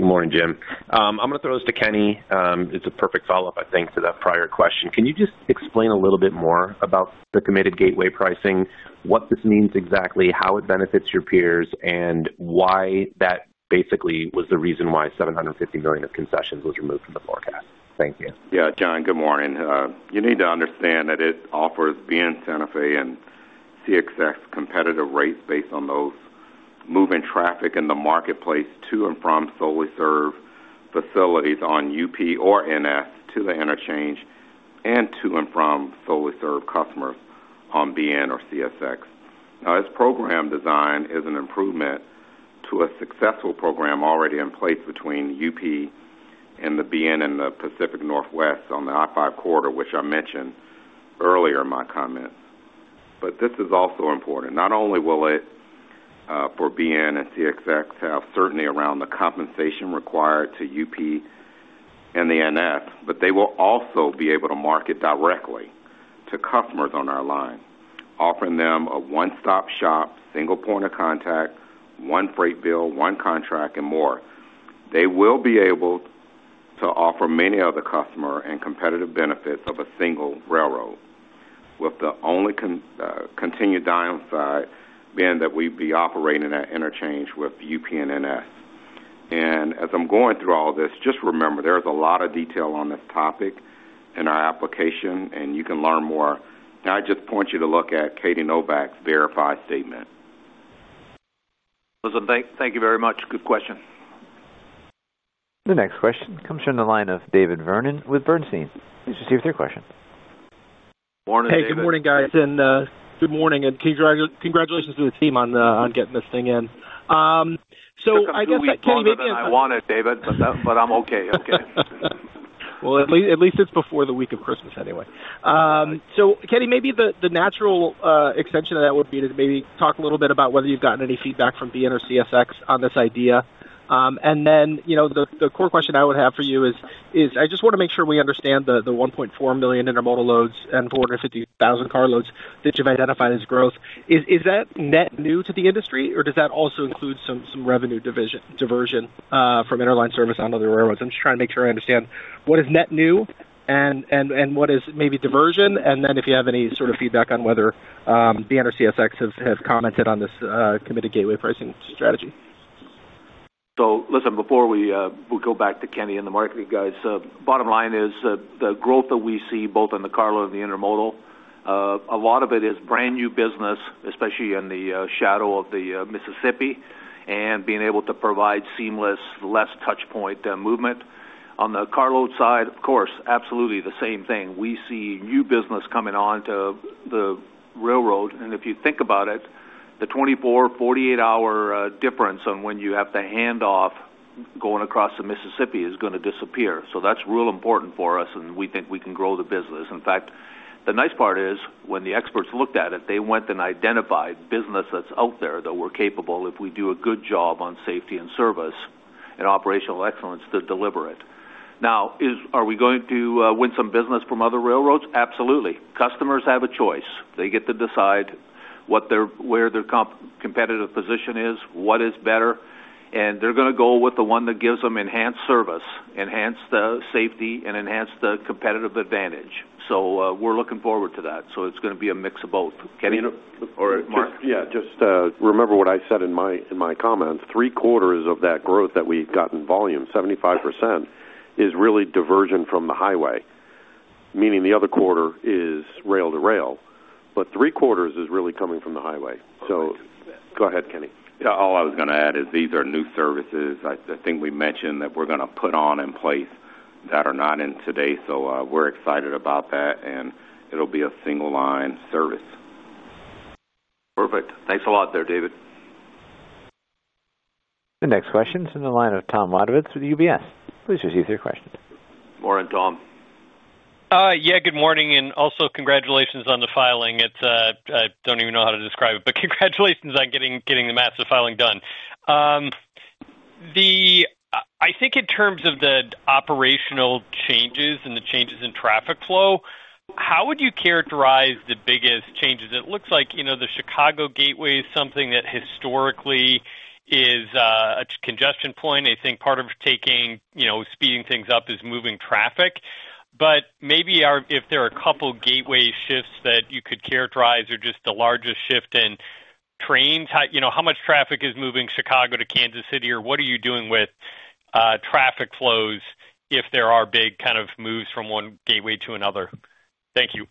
morning, Jim. I'm going to throw this to Kenny. It's a perfect follow-up, I think, to that prior question. Can you just explain a little bit more about the Committed Gateway Pricing, what this means exactly, how it benefits your peers, and why that basically was the reason why $750 million of concessions was removed from the forecast? Thank you. Yeah, John, good morning. You need to understand that it offers BN Santa Fe and CSX competitive rates based on those moving traffic in the marketplace to and from solely-served facilities on UP or NS to the interchange and to and from solely-served customers on BN or CSX. Now, this program design is an improvement to a successful program already in place between UP and the BN and the Pacific Northwest on the I-5 corridor, which I mentioned earlier in my comments, but this is also important. Not only will it, for BN and CSX, have certainty around the compensation required to UP and the NS, but they will also be able to market directly to customers on our line, offering them a one-stop shop, single point of contact, one freight bill, one contract, and more. They will be able to offer many other customers and competitive benefits of a single railroad, with the only continued downside being that we'd be operating that interchange with UP and NS, and as I'm going through all this, just remember, there is a lot of detail on this topic in our application, and you can learn more. Now, I just point you to look at Katie Novak's verified statement. Listen, thank you very much. Good question. The next question comes from the line of David Vernon with Bernstein. Please proceed with your question. Morning, David. Hey, good morning, guys and good morning, and congratulations to the team on getting this thing in, so I guess, Kenny, maybe I. I want it, David, but I'm okay. Okay. At least it's before the week of Christmas anyway. So, Kenny, maybe the natural extension of that would be to maybe talk a little bit about whether you've gotten any feedback from BN or CSX on this idea. And then the core question I would have for you is, I just want to make sure we understand the $1.4 million intermodal loads and 450,000 carloads that you've identified as growth. Is that net new to the industry, or does that also include some revenue diversion from interline service on other railroads? I'm just trying to make sure I understand what is net new and what is maybe diversion, and then if you have any sort of feedback on whether BN or CSX have commented on this Committed Gateway Pricing strategy. So listen, before we go back to Kenny and the marketing guys, bottom line is the growth that we see both on the carload and the intermodal, a lot of it is brand new business, especially in the shadow of the Mississippi and being able to provide seamless, less touchpoint movement. On the carload side, of course, absolutely the same thing. We see new business coming onto the railroad, and if you think about it, the 24, 48-hour difference on when you have to hand off going across the Mississippi is going to disappear. So that's real important for us, and we think we can grow the business. In fact, the nice part is when the experts looked at it, they went and identified business that's out there that we're capable, if we do a good job on safety and service and operational excellence, to deliver it. Now, are we going to win some business from other railroads? Absolutely. Customers have a choice. They get to decide where their competitive position is, what is better, and they're going to go with the one that gives them enhanced service, enhanced safety, and enhanced competitive advantage. So we're looking forward to that. So it's going to be a mix of both. Kenny or Mark? Yeah, just remember what I said in my comments. Three quarters of that growth that we've got in volume, 75%, is really diversion from the highway, meaning the other quarter is rail-to-rail. But three quarters is really coming from the highway. So go ahead, Kenny. Yeah, all I was going to add is these are new services. I think we mentioned that we're going to put in place that are not in today, so we're excited about that, and it'll be a single-line service. Perfect. Thanks a lot there, David. The next question is from the line of Tom Wadewitz with UBS. Please proceed with your question. Morning, Tom. Yeah, good morning, and also congratulations on the filing. I don't even know how to describe it, but congratulations on getting the massive filing done. I think in terms of the operational changes and the changes in traffic flow, how would you characterize the biggest changes? It looks like the Chicago gateway is something that historically is a congestion point. I think part of speeding things up is moving traffic. But maybe if there are a couple of gateway shifts that you could characterize or just the largest shift in trains, how much traffic is moving Chicago to Kansas City, or what are you doing with traffic flows if there are big kind of moves from one gateway to another? Thank you.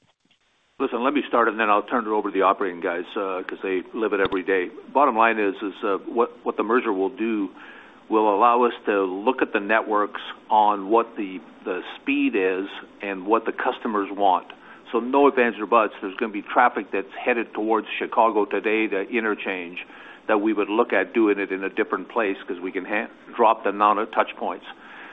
Listen, let me start, and then I'll turn it over to the operating guys because they live it every day. Bottom line is what the merger will do will allow us to look at the networks on what the speed is and what the customers want. So, no ifs or buts. There's going to be traffic that's headed towards Chicago today, the interchange, that we would look at doing it in a different place because we can drop the amount of touchpoints.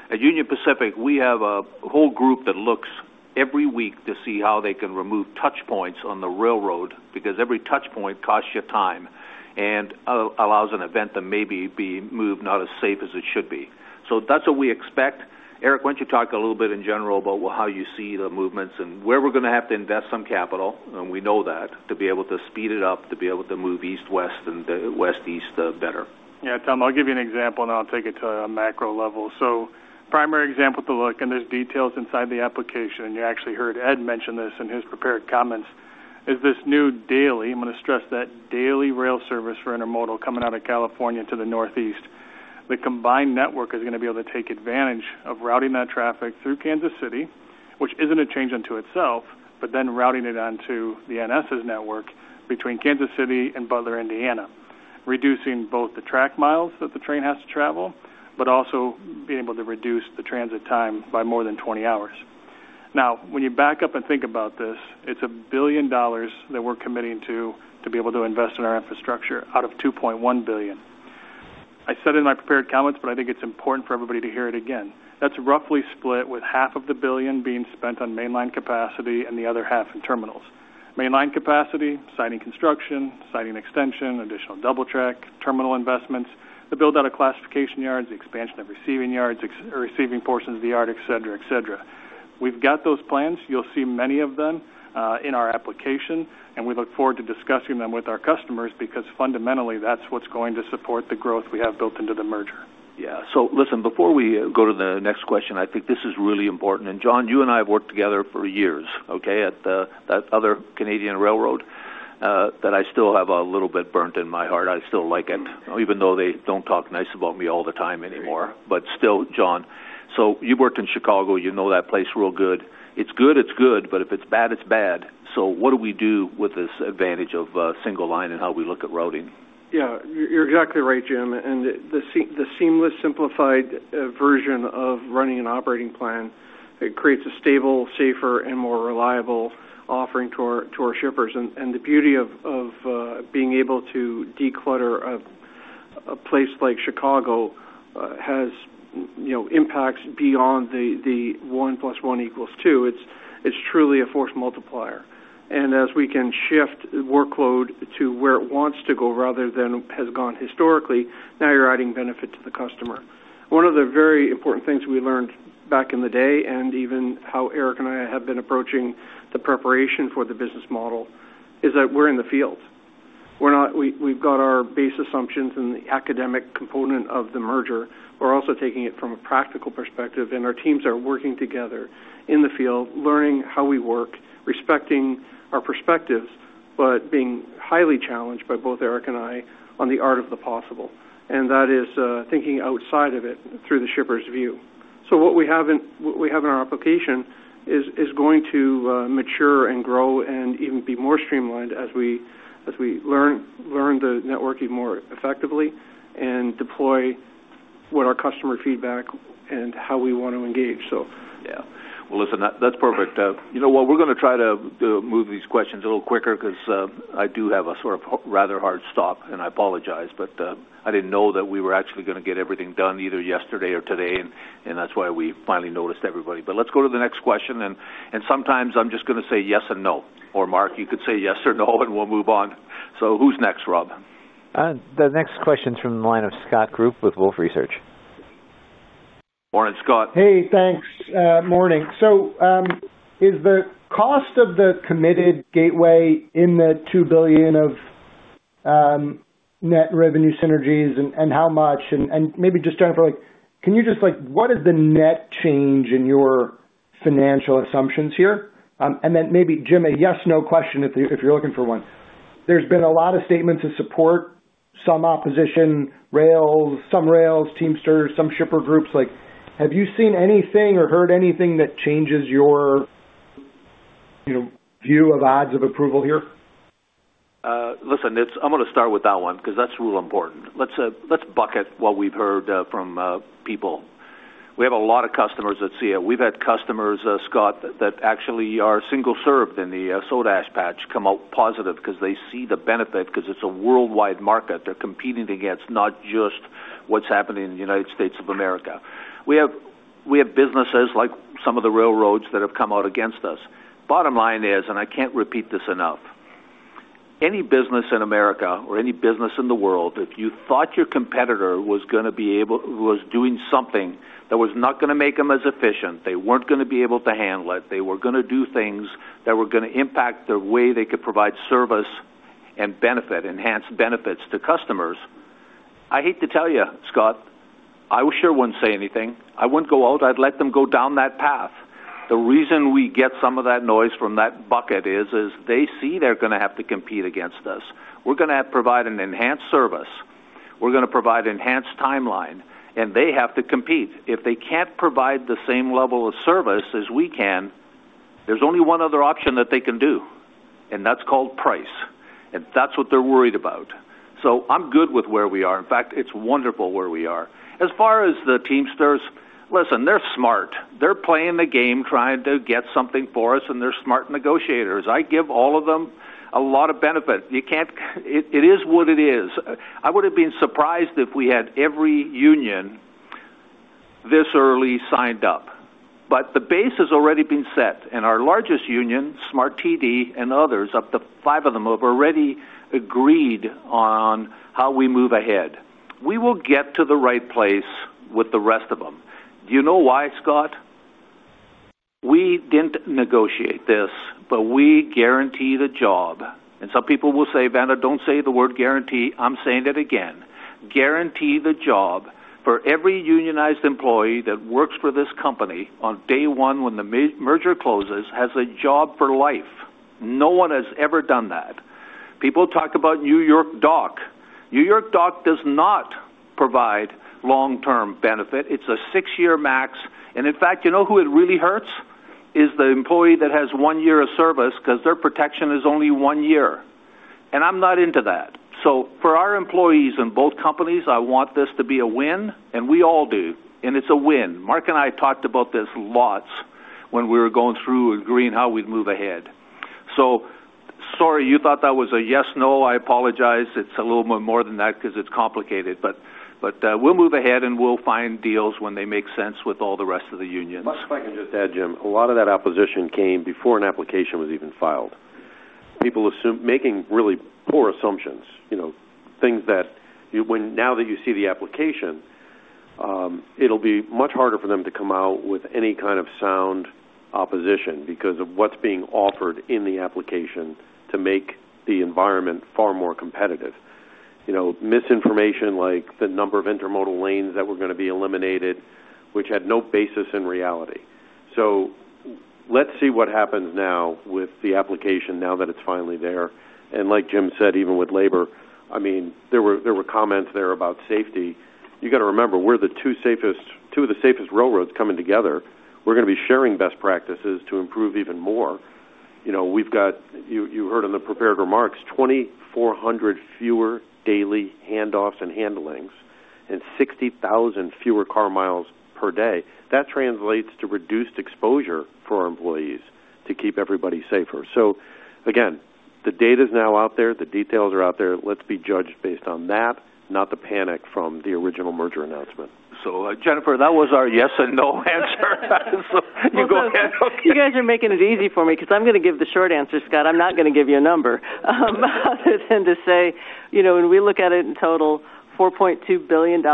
At Union Pacific, we have a whole group that looks every week to see how they can remove touchpoints on the railroad because every touchpoint costs you time and allows an event to maybe be moved not as safe as it should be. So that's what we expect. Eric, why don't you talk a little bit in general about how you see the movements and where we're going to have to invest some capital, and we know that, to be able to speed it up, to be able to move east-west and west-east better. Yeah, Tom, I'll give you an example, and I'll take it to a macro level. So primary example to look, and there's details inside the application, and you actually heard Ed mention this in his prepared comments, is this new daily, I'm going to stress that, daily rail service for intermodal coming out of California to the Northeast. The combined network is going to be able to take advantage of routing that traffic through Kansas City, which isn't a change in and of itself, but then routing it onto the NS's network between Kansas City and Butler, Indiana, reducing both the track miles that the train has to travel, but also being able to reduce the transit time by more than 20 hours. Now, when you back up and think about this, it's $1 billion that we're committing to be able to invest in our infrastructure out of $2.1 billion. I said it in my prepared comments, but I think it's important for everybody to hear it again. That's roughly split with $500 million being spent on mainline capacity and the other $500 million in terminals. Mainline capacity, siding construction, siding extension, additional double track, terminal investments, the build-out of classification yards, the expansion of receiving yards, receiving portions of the yard, etc., etc. We've got those plans. You'll see many of them in our application, and we look forward to discussing them with our customers because fundamentally that's what's going to support the growth we have built into the merger. Yeah. So listen, before we go to the next question, I think this is really important, and John, you and I have worked together for years, okay, at that other Canadian railroad that I still have a little bit burnt in my heart. I still like it, even though they don't talk nice about me all the time anymore, but still, John, you've worked in Chicago. You know that place real good. It's good. It's good. But if it's bad, it's bad. So what do we do with this advantage of single line and how we look at routing? Yeah. You're exactly right, Jim. And the seamless, simplified version of running an operating plan, it creates a stable, safer, and more reliable offering to our shippers. And the beauty of being able to declutter a place like Chicago has impacts beyond the one plus one equals two. It's truly a force multiplier. And as we can shift workload to where it wants to go rather than has gone historically, now you're adding benefit to the customer. One of the very important things we learned back in the day, and even how Eric and I have been approaching the preparation for the business model, is that we're in the field. We've got our base assumptions and the academic component of the merger. We're also taking it from a practical perspective, and our teams are working together in the field, learning how we work, respecting our perspectives, but being highly challenged by both Eric and I on the art of the possible, and that is thinking outside of it through the shipper's view, so what we have in our application is going to mature and grow and even be more streamlined as we learn the networking more effectively and deploy what our customer feedback and how we want to engage. Yeah. Well, listen, that's perfect. You know what? We're going to try to move these questions a little quicker because I do have a sort of rather hard stop, and I apologize, but I didn't know that we were actually going to get everything done either yesterday or today, and that's why we finally notified everybody. But let's go to the next question. And sometimes I'm just going to say yes and no. Or Mark, you could say yes or no, and we'll move on. So who's next, Rob? The next question is from the line of Scott Group with Wolfe Research. Morning, Scott. Hey, thanks. Morning. So, is the cost of the Committed Gateway in the $2 billion of net revenue synergies, and how much? And maybe just Jennifer, can you just what is the net change in your financial assumptions here? And then maybe, Jim, a yes/no question if you're looking for one. There's been a lot of statements of support, some opposition, some rails, Teamsters, some shipper groups. Have you seen anything or heard anything that changes your view of odds of approval here? Listen, I'm going to start with that one because that's real important. Let's bucket what we've heard from people. We have a lot of customers that see it. We've had customers, Scott, that actually are single-served in the soda ash patch come out positive because they see the benefit because it's a worldwide market. They're competing against not just what's happening in the United States of America. We have businesses like some of the railroads that have come out against us. Bottom line is, and I can't repeat this enough, any business in America or any business in the world, if you thought your competitor was going to be able to do something that was not going to make them as efficient, they weren't going to be able to handle it, they were going to do things that were going to impact the way they could provide service and enhance benefits to customers, I hate to tell you, Scott, I sure wouldn't say anything. I wouldn't go out. I'd let them go down that path. The reason we get some of that noise from that bucket is they see they're going to have to compete against us. We're going to provide an enhanced service. We're going to provide an enhanced timeline, and they have to compete. If they can't provide the same level of service as we can, there's only one other option that they can do, and that's called price. And that's what they're worried about. So I'm good with where we are. In fact, it's wonderful where we are. As far as the Teamsters, listen, they're smart. They're playing the game trying to get something for us, and they're smart negotiators. I give all of them a lot of benefit. It is what it is. I would have been surprised if we had every union this early signed up. But the base has already been set, and our largest union, SMART-TD and others, up to five of them have already agreed on how we move ahead. We will get to the right place with the rest of them. Do you know why, Scott? We didn't negotiate this, but we guarantee the job. Some people will say, "Vena, don't say the word guarantee." I'm saying it again. Guarantee the job for every unionized employee that works for this company on day one when the merger closes has a job for life. No one has ever done that. People talk about New York Dock. New York Dock does not provide long-term benefit. It's a six-year max. And in fact, you know who it really hurts? It's the employee that has one year of service because their protection is only one year. And I'm not into that. So for our employees in both companies, I want this to be a win, and we all do. And it's a win. Mark and I talked about this lots when we were going through agreeing how we'd move ahead. So sorry you thought that was a yes/no. I apologize. It's a little bit more than that because it's complicated. But we'll move ahead, and we'll find deals when they make sense with all the rest of the unions. If I can just add, Jim, a lot of that opposition came before an application was even filed. People are making really poor assumptions, things that now that you see the application, it'll be much harder for them to come out with any kind of sound opposition because of what's being offered in the application to make the environment far more competitive. Misinformation like the number of intermodal lanes that were going to be eliminated, which had no basis in reality. So let's see what happens now with the application now that it's finally there. And like Jim said, even with labor, I mean, there were comments there about safety. You got to remember, we're the two of the safest railroads coming together. We're going to be sharing best practices to improve even more. You heard in the prepared remarks, 2,400 fewer daily handoffs and handlings and 60,000 fewer car miles per day. That translates to reduced exposure for our employees to keep everybody safer. So again, the data is now out there. The details are out there. Let's be judged based on that, not the panic from the original merger announcement. So Jennifer, that was our yes and no answer. You go ahead. You guys are making it easy for me because I'm going to give the short answer, Scott. I'm not going to give you a number other than to say, when we look at it in total, $4.2 billion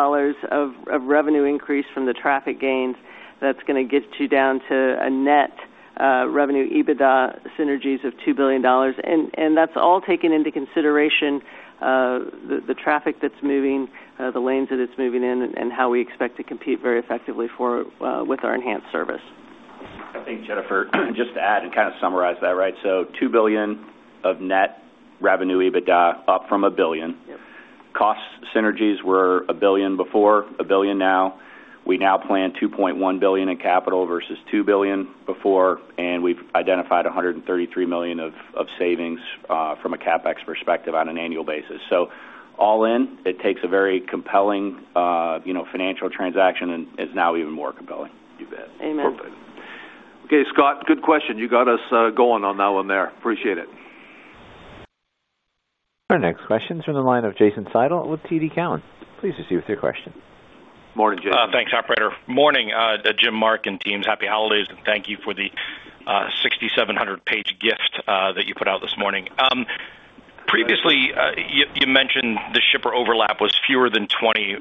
of revenue increase from the traffic gains, that's going to get you down to a net revenue EBITDA synergies of $2 billion, and that's all taken into consideration the traffic that's moving, the lanes that it's moving in, and how we expect to compete very effectively with our enhanced service. I think, Jennifer, just to add and kind of summarize that, right? So $2 billion of net revenue EBITDA up from a billion. Cost synergies were a billion before, a billion now. We now plan $2.1 billion in capital versus $2 billion before, and we've identified $133 million of savings from a CapEx perspective on an annual basis. So all in, it takes a very compelling financial transaction and is now even more compelling. Amen. Okay, Scott, good question. You got us going on now and there. Appreciate it. Our next question is from the line of Jason Seidl with TD Cowen. Please proceed with your question. Morning, Jason. Thanks, operator. Morning, Jim, Mark, and teams. Happy holidays, and thank you for the 6,700-page gift that you put out this morning. Previously, you mentioned the shipper overlap was fewer than 20,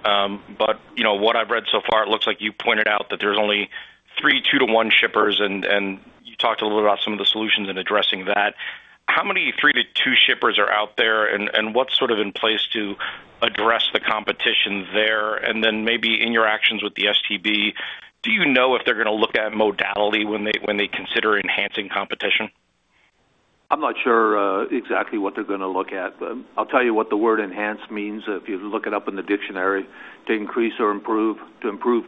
but what I've read so far, it looks like you pointed out that there's only three two-to-one shippers, and you talked a little bit about some of the solutions in addressing that. How many three-to-two shippers are out there, and what's sort of in place to address the competition there? And then maybe in your actions with the STB, do you know if they're going to look at modality when they consider enhancing competition? I'm not sure exactly what they're going to look at, but I'll tell you what the word enhance means if you look it up in the dictionary: to increase or improve, to improve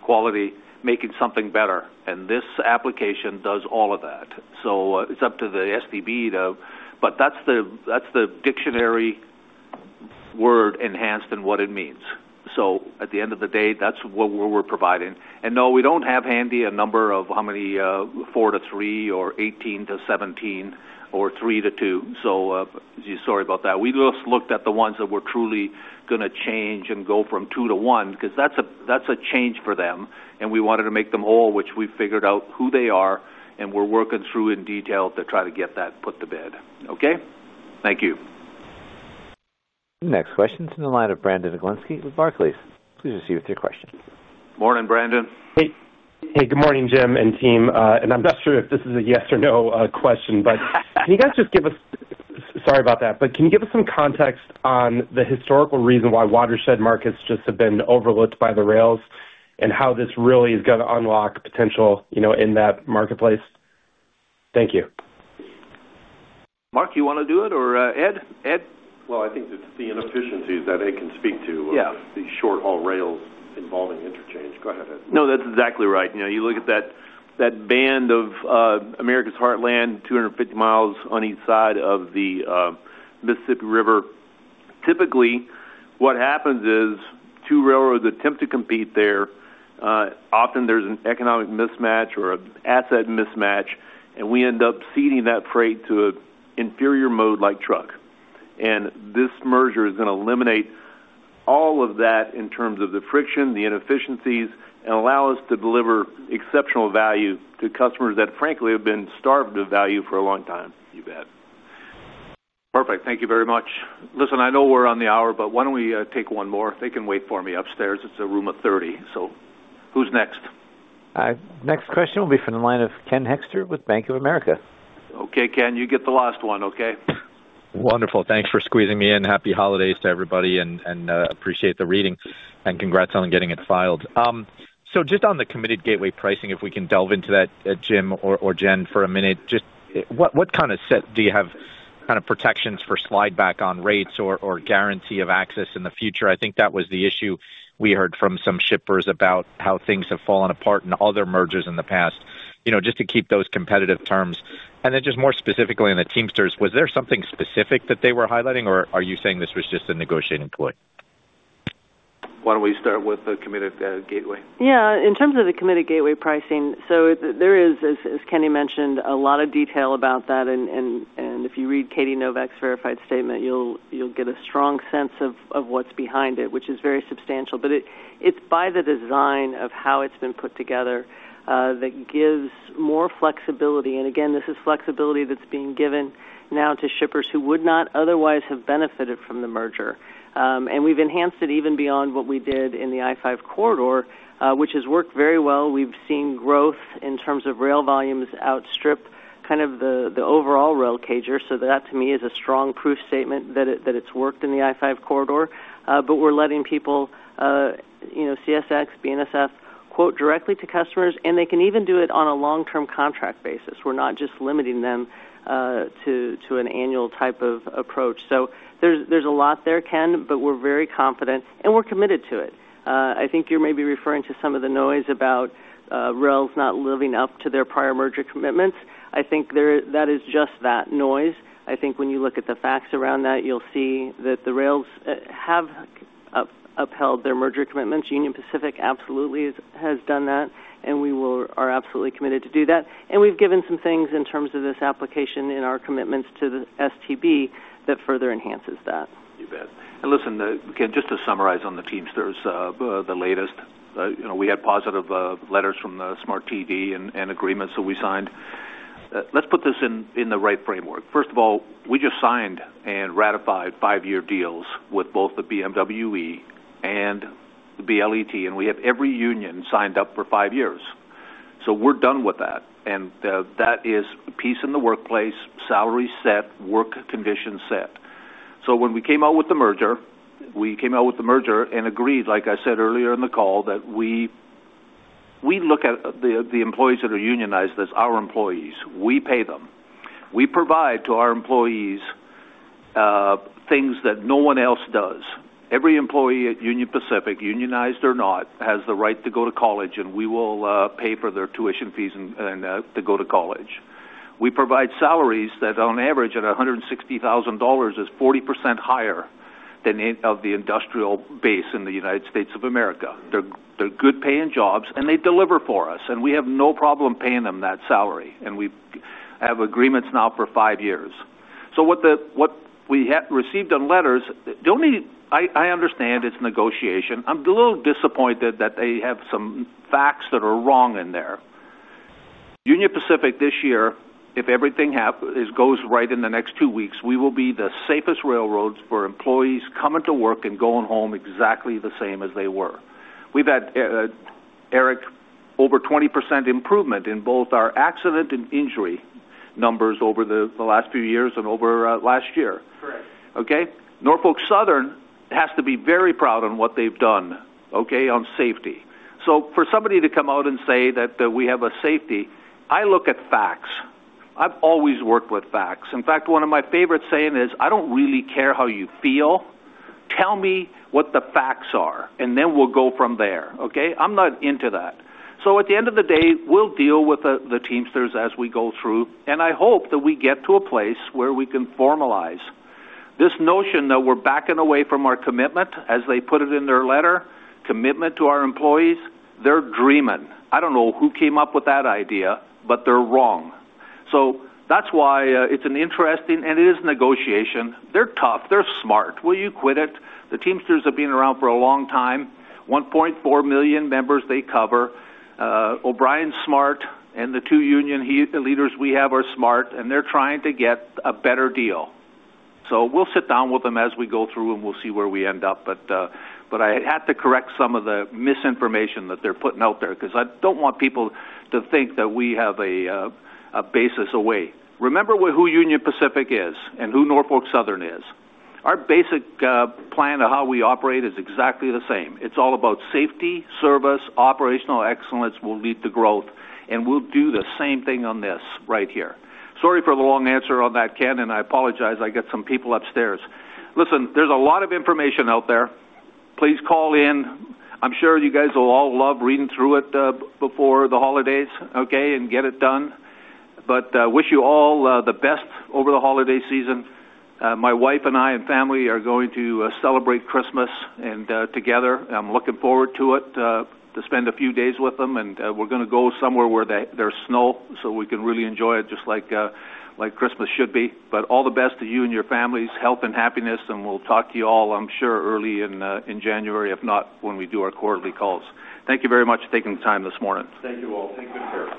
quality, making something better, and this application does all of that, so it's up to the STB to, but that's the dictionary word enhanced and what it means. So at the end of the day, that's what we're providing, and no, we don't have handy a number of how many four to three or 18 to 17 or three to two. So sorry about that. We just looked at the ones that were truly going to change and go from two to one because that's a change for them, and we wanted to make them all, which we figured out who they are, and we're working through in detail to try to get that put to bed. Okay? Thank you. Next question is from the line of Brandon Oglenski with Barclays. Please proceed with your question. Morning, Brandon. Hey. Hey, good morning, Jim and team. And I'm not sure if this is a yes or no question, but can you guys just give us, sorry about that, but can you give us some context on the historical reason why watershed markets just have been overlooked by the rails and how this really is going to unlock potential in that marketplace? Thank you. Mark, you want to do it or Ed? I think it's the inefficiencies that Ed can speak to of the short-haul rails involving interchange. Go ahead, Ed. No, that's exactly right. You look at that band of America's heartland, 250 miles on each side of the Mississippi River. Typically, what happens is two railroads attempt to compete there. Often, there's an economic mismatch or an asset mismatch, and we end up ceding that freight to an inferior mode like truck. And this merger is going to eliminate all of that in terms of the friction, the inefficiencies, and allow us to deliver exceptional value to customers that, frankly, have been starved of value for a long time. Perfect. Thank you very much. Listen, I know we're on the hour, but why don't we take one more? They can wait for me upstairs. It's a room of 30. So who's next? Next question will be from the line of Ken Hoexter with Bank of America. Okay, Ken, you get the last one, okay? Wonderful. Thanks for squeezing me in. Happy holidays to everybody, and appreciate the reading, and congrats on getting it filed. So just on the Committed Gateway Pricing, if we can delve into that, Jim or Jen, for a minute, just what kind of set do you have kind of protections for slide back on rates or guarantee of access in the future? I think that was the issue we heard from some shippers about how things have fallen apart in other mergers in the past, just to keep those competitive terms. And then just more specifically in the Teamsters, was there something specific that they were highlighting, or are you saying this was just a negotiating ploy? Why don't we start with the Committed Gateway? Yeah. In terms of the Committed Gateway Pricing, so there is, as Kenny mentioned, a lot of detail about that. And if you read Katie Novak's verified statement, you'll get a strong sense of what's behind it, which is very substantial. But it's by the design of how it's been put together that gives more flexibility. And again, this is flexibility that's being given now to shippers who would not otherwise have benefited from the merger. And we've enhanced it even beyond what we did in the I-5 corridor, which has worked very well. We've seen growth in terms of rail volumes outstrip kind of the overall rail CAGR. So that, to me, is a strong proof statement that it's worked in the I-5 corridor. But we're letting people, CSX, BNSF, quote directly to customers, and they can even do it on a long-term contract basis. We're not just limiting them to an annual type of approach, so there's a lot there, Ken, but we're very confident, and we're committed to it. I think you're maybe referring to some of the noise about rails not living up to their prior merger commitments. I think that is just that noise. I think when you look at the facts around that, you'll see that the rails have upheld their merger commitments. Union Pacific absolutely has done that, and we are absolutely committed to do that, and we've given some things in terms of this application in our commitments to the STB that further enhances that. Listen, Ken, just to summarize on the Teamsters, the latest. We had positive letters from the SMART-TD and agreements that we signed. Let's put this in the right framework. First of all, we just signed and ratified five-year deals with both the BMWED and the BLET, and we have every union signed up for five years. So we're done with that. That is peace in the workplace, salary set, work conditions set. When we came out with the merger and agreed, like I said earlier in the call, that we look at the employees that are unionized as our employees. We pay them. We provide to our employees things that no one else does. Every employee at Union Pacific, unionized or not, has the right to go to college, and we will pay for their tuition fees and to go to college. We provide salaries that, on average, at $160,000, is 40% higher than of the industrial base in the United States of America. They're good-paying jobs, and they deliver for us. We have no problem paying them that salary. We have agreements now for five years. What we received on letters, I understand it's negotiation. I'm a little disappointed that they have some facts that are wrong in there. Union Pacific, this year, if everything goes right in the next two weeks, we will be the safest railroads for employees coming to work and going home exactly the same as they were. We've had, Eric, over 20% improvement in both our accident and injury numbers over the last few years and over last year. Okay? Norfolk Southern has to be very proud of what they've done, okay, on safety. So for somebody to come out and say that we have a safety, I look at facts. I've always worked with facts. In fact, one of my favorite sayings is, "I don't really care how you feel. Tell me what the facts are, and then we'll go from there." Okay? I'm not into that, so at the end of the day, we'll deal with the Teamsters as we go through, and I hope that we get to a place where we can formalize this notion that we're backing away from our commitment, as they put it in their letter, commitment to our employees. They're dreaming. I don't know who came up with that idea, but they're wrong. So that's why it's an interesting and it is negotiation. They're tough. They're smart. Will you quit it? The Teamsters have been around for a long time. 1.4 million members they cover. O'Brien's smart, and the two union leaders we have are smart, and they're trying to get a better deal. So we'll sit down with them as we go through, and we'll see where we end up. But I had to correct some of the misinformation that they're putting out there because I don't want people to think that we have a basis away. Remember who Union Pacific is and who Norfolk Southern is. Our basic plan of how we operate is exactly the same. It's all about safety, service, operational excellence will lead to growth, and we'll do the same thing on this right here. Sorry for the long answer on that, Ken, and I apologize. I got some people upstairs. Listen, there's a lot of information out there. Please call in. I'm sure you guys will all love reading through it before the holidays, okay, and get it done, but wish you all the best over the holiday season. My wife and I and family are going to celebrate Christmas together. I'm looking forward to it, to spend a few days with them, and we're going to go somewhere where there's snow so we can really enjoy it just like Christmas should be, but all the best to you and your families, health and happiness, and we'll talk to you all, I'm sure, early in January, if not when we do our quarterly calls. Thank you very much for taking the time this morning. Thank you all. Take good care.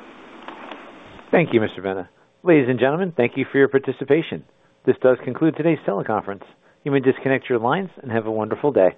Thank you, Mr. Vena. Ladies and gentlemen, thank you for your participation. This does conclude today's teleconference. You may disconnect your lines and have a wonderful day.